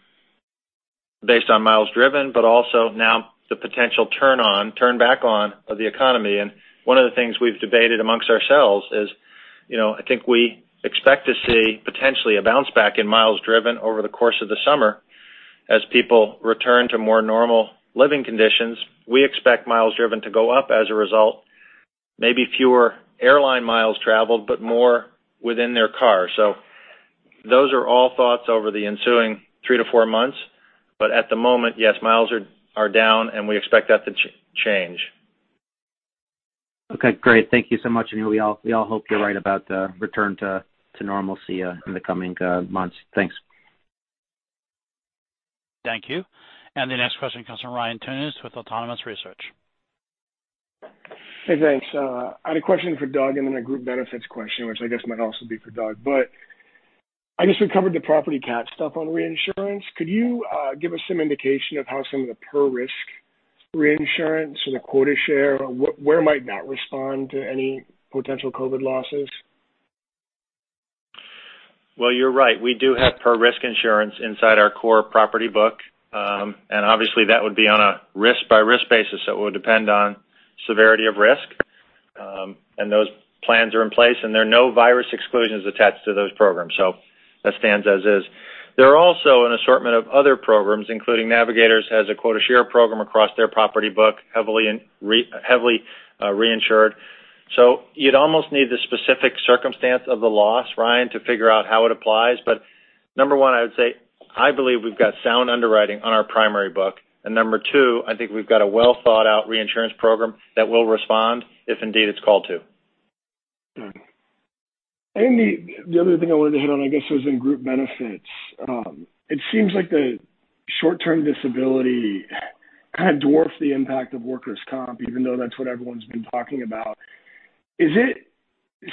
based on miles driven, but also now the potential turn on, turn back on, of the economy. And one of the things we've debated amongst ourselves is, you know, I think we expect to see potentially a bounce back in miles driven over the course of the summer. As people return to more normal living conditions, we expect miles driven to go up as a result, maybe fewer airline miles traveled, but more within their car. So those are all thoughts over the ensuing three to four months, but at the moment, yes, miles are down, and we expect that to change. Okay, great. Thank you so much, and we all hope you're right about the return to normalcy in the coming months. Thanks. Thank you. And the next question comes from Ryan Tunis with Autonomous Research. Hey, thanks. I had a question for Doug and then a group benefits question, which I guess might also be for Doug. But I guess we covered the property cat stuff on reinsurance. Could you give us some indication of how some of the per risk reinsurance and the quota share, where might that respond to any potential COVID losses? You're right. We do have per risk insurance inside our core property book. And obviously, that would be on a risk-by-risk basis, so it would depend on severity of risk. And those plans are in place, and there are no virus exclusions attached to those programs, so that stands as is. There are also an assortment of other programs, including Navigators has a quota share program across their property book, heavily reinsured. So, you'd almost need the specific circumstance of the loss, Ryan, to figure out how it applies. But number one, I would say, I believe we've got sound underwriting on our primary book. And number two, I think we've got a well-thought-out reinsurance program that will respond if indeed it's called to. The other thing I wanted to hit on, I guess, was in group benefits. It seems like the short-term disability kind of dwarfs the impact of workers' comp, even though that's what everyone's been talking about. Is it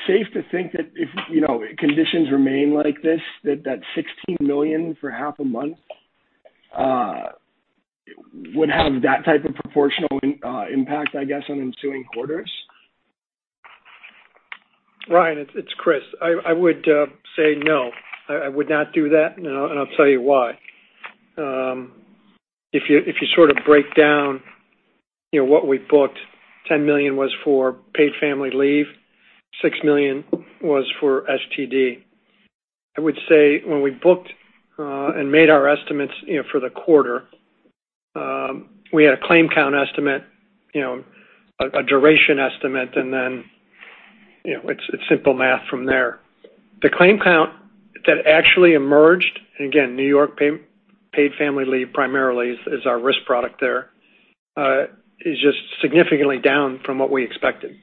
safe to think that if, you know, conditions remain like this, that sixteen million for half a month would have that type of proportional impact, I guess, on ensuing quarters? Ryan, it's Chris. I would say no. I would not do that, and I'll tell you why. If you sort of break down, you know, what we booked, $10 million was for paid family leave, $6 million was for STD. I would say when we booked and made our estimates, you know, for the quarter, we had a claim count estimate, you know, a duration estimate, and then, you know, it's simple math from there. The claim count that actually emerged, and again, New York Paid Family Leave primarily is our risk product there, is just significantly down from what we expected.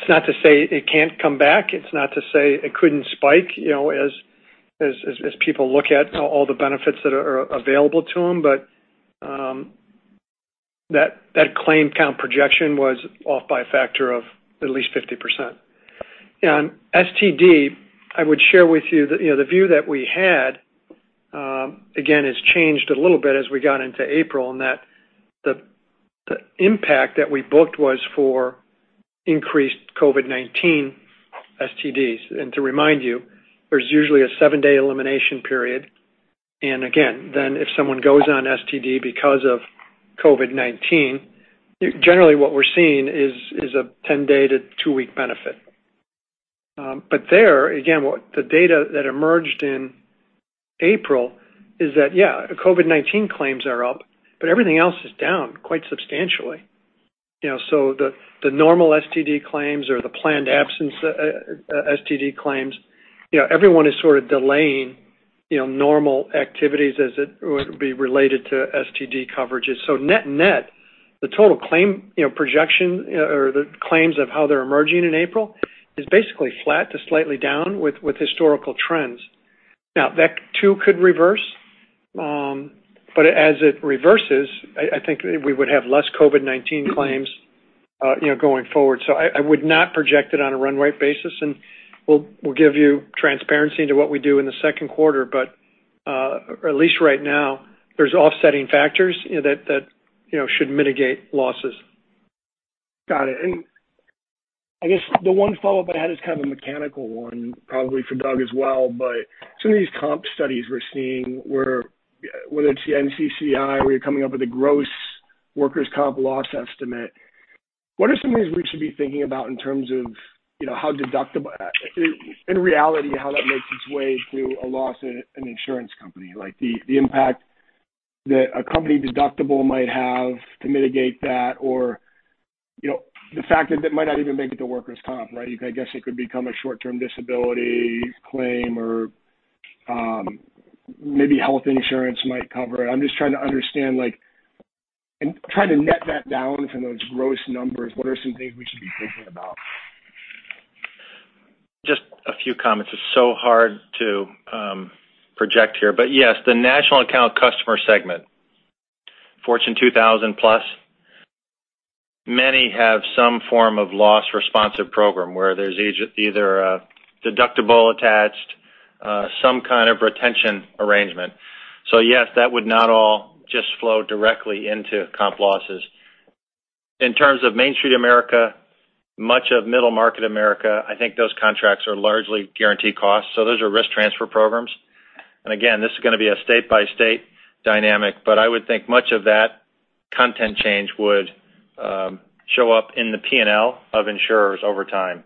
It's not to say it can't come back. It's not to say it couldn't spike, you know, as people look at all the benefits that are available to them, but that claim count projection was off by a factor of at least 50%. And STD, I would share with you that, you know, the view that we had, again, has changed a little bit as we got into April, and that the impact that we booked was for increased COVID-19 STDs. And to remind you, there's usually a seven-day elimination period, and again, then if someone goes on STD because of COVID-19, generally what we're seeing is a 10-day to two-week benefit. But there, again, what the data that emerged in April is that, yeah, COVID-19 claims are up, but everything else is down quite substantially. You know, so the normal STD claims or the planned absence, STD claims, you know, everyone is sort of delaying, you know, normal activities as it would be related to STD coverages. So, net-net, the total claim, you know, projection, or the claims of how they're emerging in April, is basically flat to slightly down with historical trends. Now, that too, could reverse, but as it reverses, I think we would have less COVID-19 claims, you know, going forward. So, I would not project it on a runway basis, and we'll give you transparency into what we do in the second quarter, but at least right now, there's offsetting factors, you know, that should mitigate losses. Got it. I guess the one follow-up I had is kind of a mechanical one, probably for Doug as well. But some of these comp studies we're seeing, where, whether it's the NCCI, where you're coming up with a gross workers' comp loss estimate, what are some things we should be thinking about in terms of, you know, how deductible in reality, how that makes its way through a loss at an insurance company? Like, the impact that a company deductible might have to mitigate that, or, you know, the fact that it might not even make it to workers' comp, right? I guess it could become a short-term disability claim or, maybe health insurance might cover it. I'm just trying to understand, like and trying to net that down from those gross numbers. What are some things we should be thinking about? Just a few comments. It's so hard to project here. But yes, the national account customer segment, Fortune 2000 plus, many have some form of loss-responsive program, where there's either a deductible attached, some kind of retention arrangement. So yes, that would not all just flow directly into comp losses. In terms of Main Street America, much of middle market America, I think those contracts are largely guaranteed costs, so those are risk transfer programs. And again, this is gonna be a state-by-state dynamic, but I would think much of that content change would show up in the P&L of insurers over time.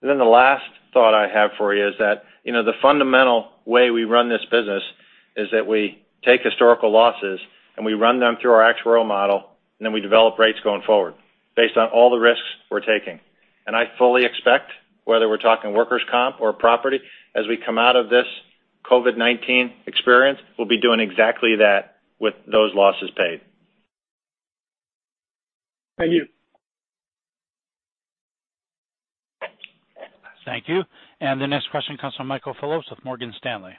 And then the last thought I have for you is that, you know, the fundamental way we run this business is that we take historical losses, and we run them through our actuarial model, and then we develop rates going forward based on all the risks we're taking. And I fully expect, whether we're talking workers' comp or property, as we come out of this COVID-19 experience, we'll be doing exactly that with those losses paid. Thank you. Thank you. And the next question comes from Michael Phillips with Morgan Stanley.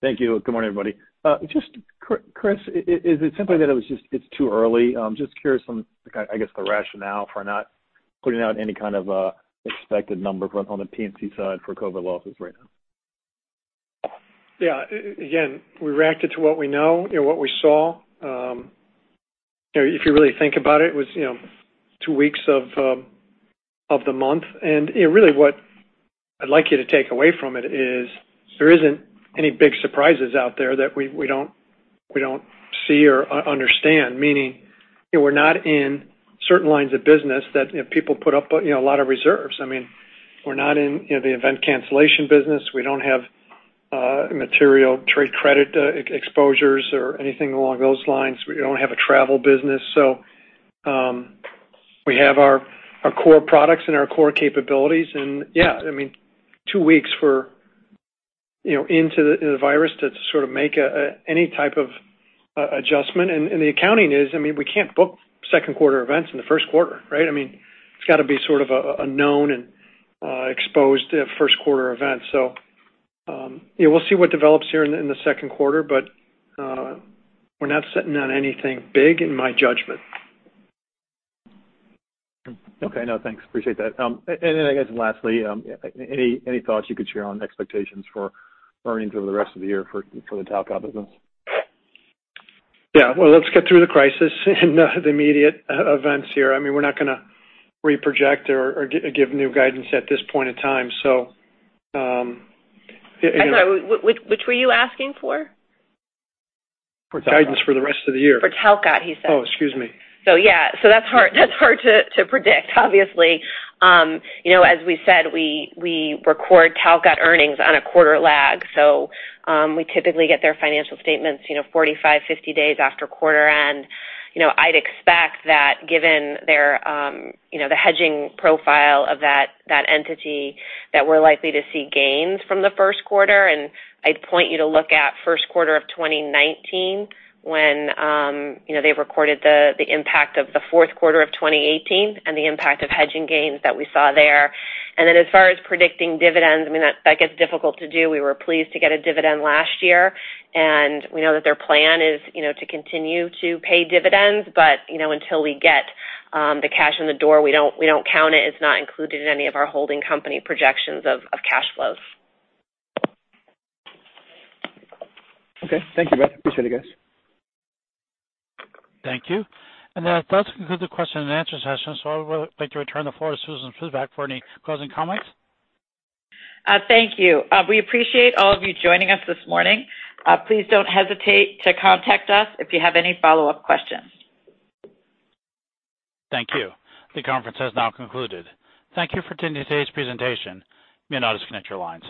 Thank you. Good morning, everybody. Just, Chris, is it simply that it was just it's too early? Just curious on, I guess, the rationale for not putting out any kind of expected number from, on the P&C side for COVID losses right now. Yeah. Again, we reacted to what we know and what we saw. You know, if you really think about it, it was two weeks of the month. And really what I'd like you to take away from it is, there isn't any big surprises out there that we don't see or understand. Meaning, you know, we're not in certain lines of business that, you know, people put up a lot of reserves. I mean, we're not in the event cancellation business. We don't have material trade credit exposures or anything along those lines. We don't have a travel business. So, we have our core products and our core capabilities. Yeah, I mean, two weeks for, you know, into the virus to sort of make any type of adjustment. The accounting is. I mean, we can't book second quarter events in the first quarter, right? It's got to be sort of a known and exposed first quarter event. You know, we'll see what develops here in the second quarter, but we're not sitting on anything big, in my judgment. Okay. No, thanks. Appreciate that. And then I guess lastly, any thoughts you could share on expectations for earnings over the rest of the year for the Talcott business? Yeah. Well, let's get through the crisis and the immediate events here. I mean, we're not gonna reproject or give new guidance at this point in time. So, again- Which were you asking for? For Talcott. Guidance for the rest of the year. For Talcott, he said. Oh, excuse me. That's hard to predict, obviously. You know, as we said, we record Talcott earnings on a quarter lag, so we typically get their financial statements, you know, 45-50 days after quarter end. You know, I'd expect that given their, you know, the hedging profile of that entity, that we're likely to see gains from the first quarter. I'd point you to look at first quarter of 2019, when, you know, they recorded the impact of the fourth quarter of 2018 and the impact of hedging gains that we saw there. As far as predicting dividends, I mean, that gets difficult to do. We were pleased to get a dividend last year, and we know that their plan is, you know, to continue to pay dividends. But, you know, until we get the cash in the door, we don't, we don't count it. It's not included in any of our holding company projections of cash flows. Okay. Thank you, guys. Appreciate it, guys. Thank you, and that does conclude the question-and-answer session, so I would like to return the floor to Susan Spivak for any closing comments. Thank you. We appreciate all of you joining us this morning. Please don't hesitate to contact us if you have any follow-up questions. Thank you. The conference has now concluded. Thank you for attending today's presentation. You may now disconnect your lines.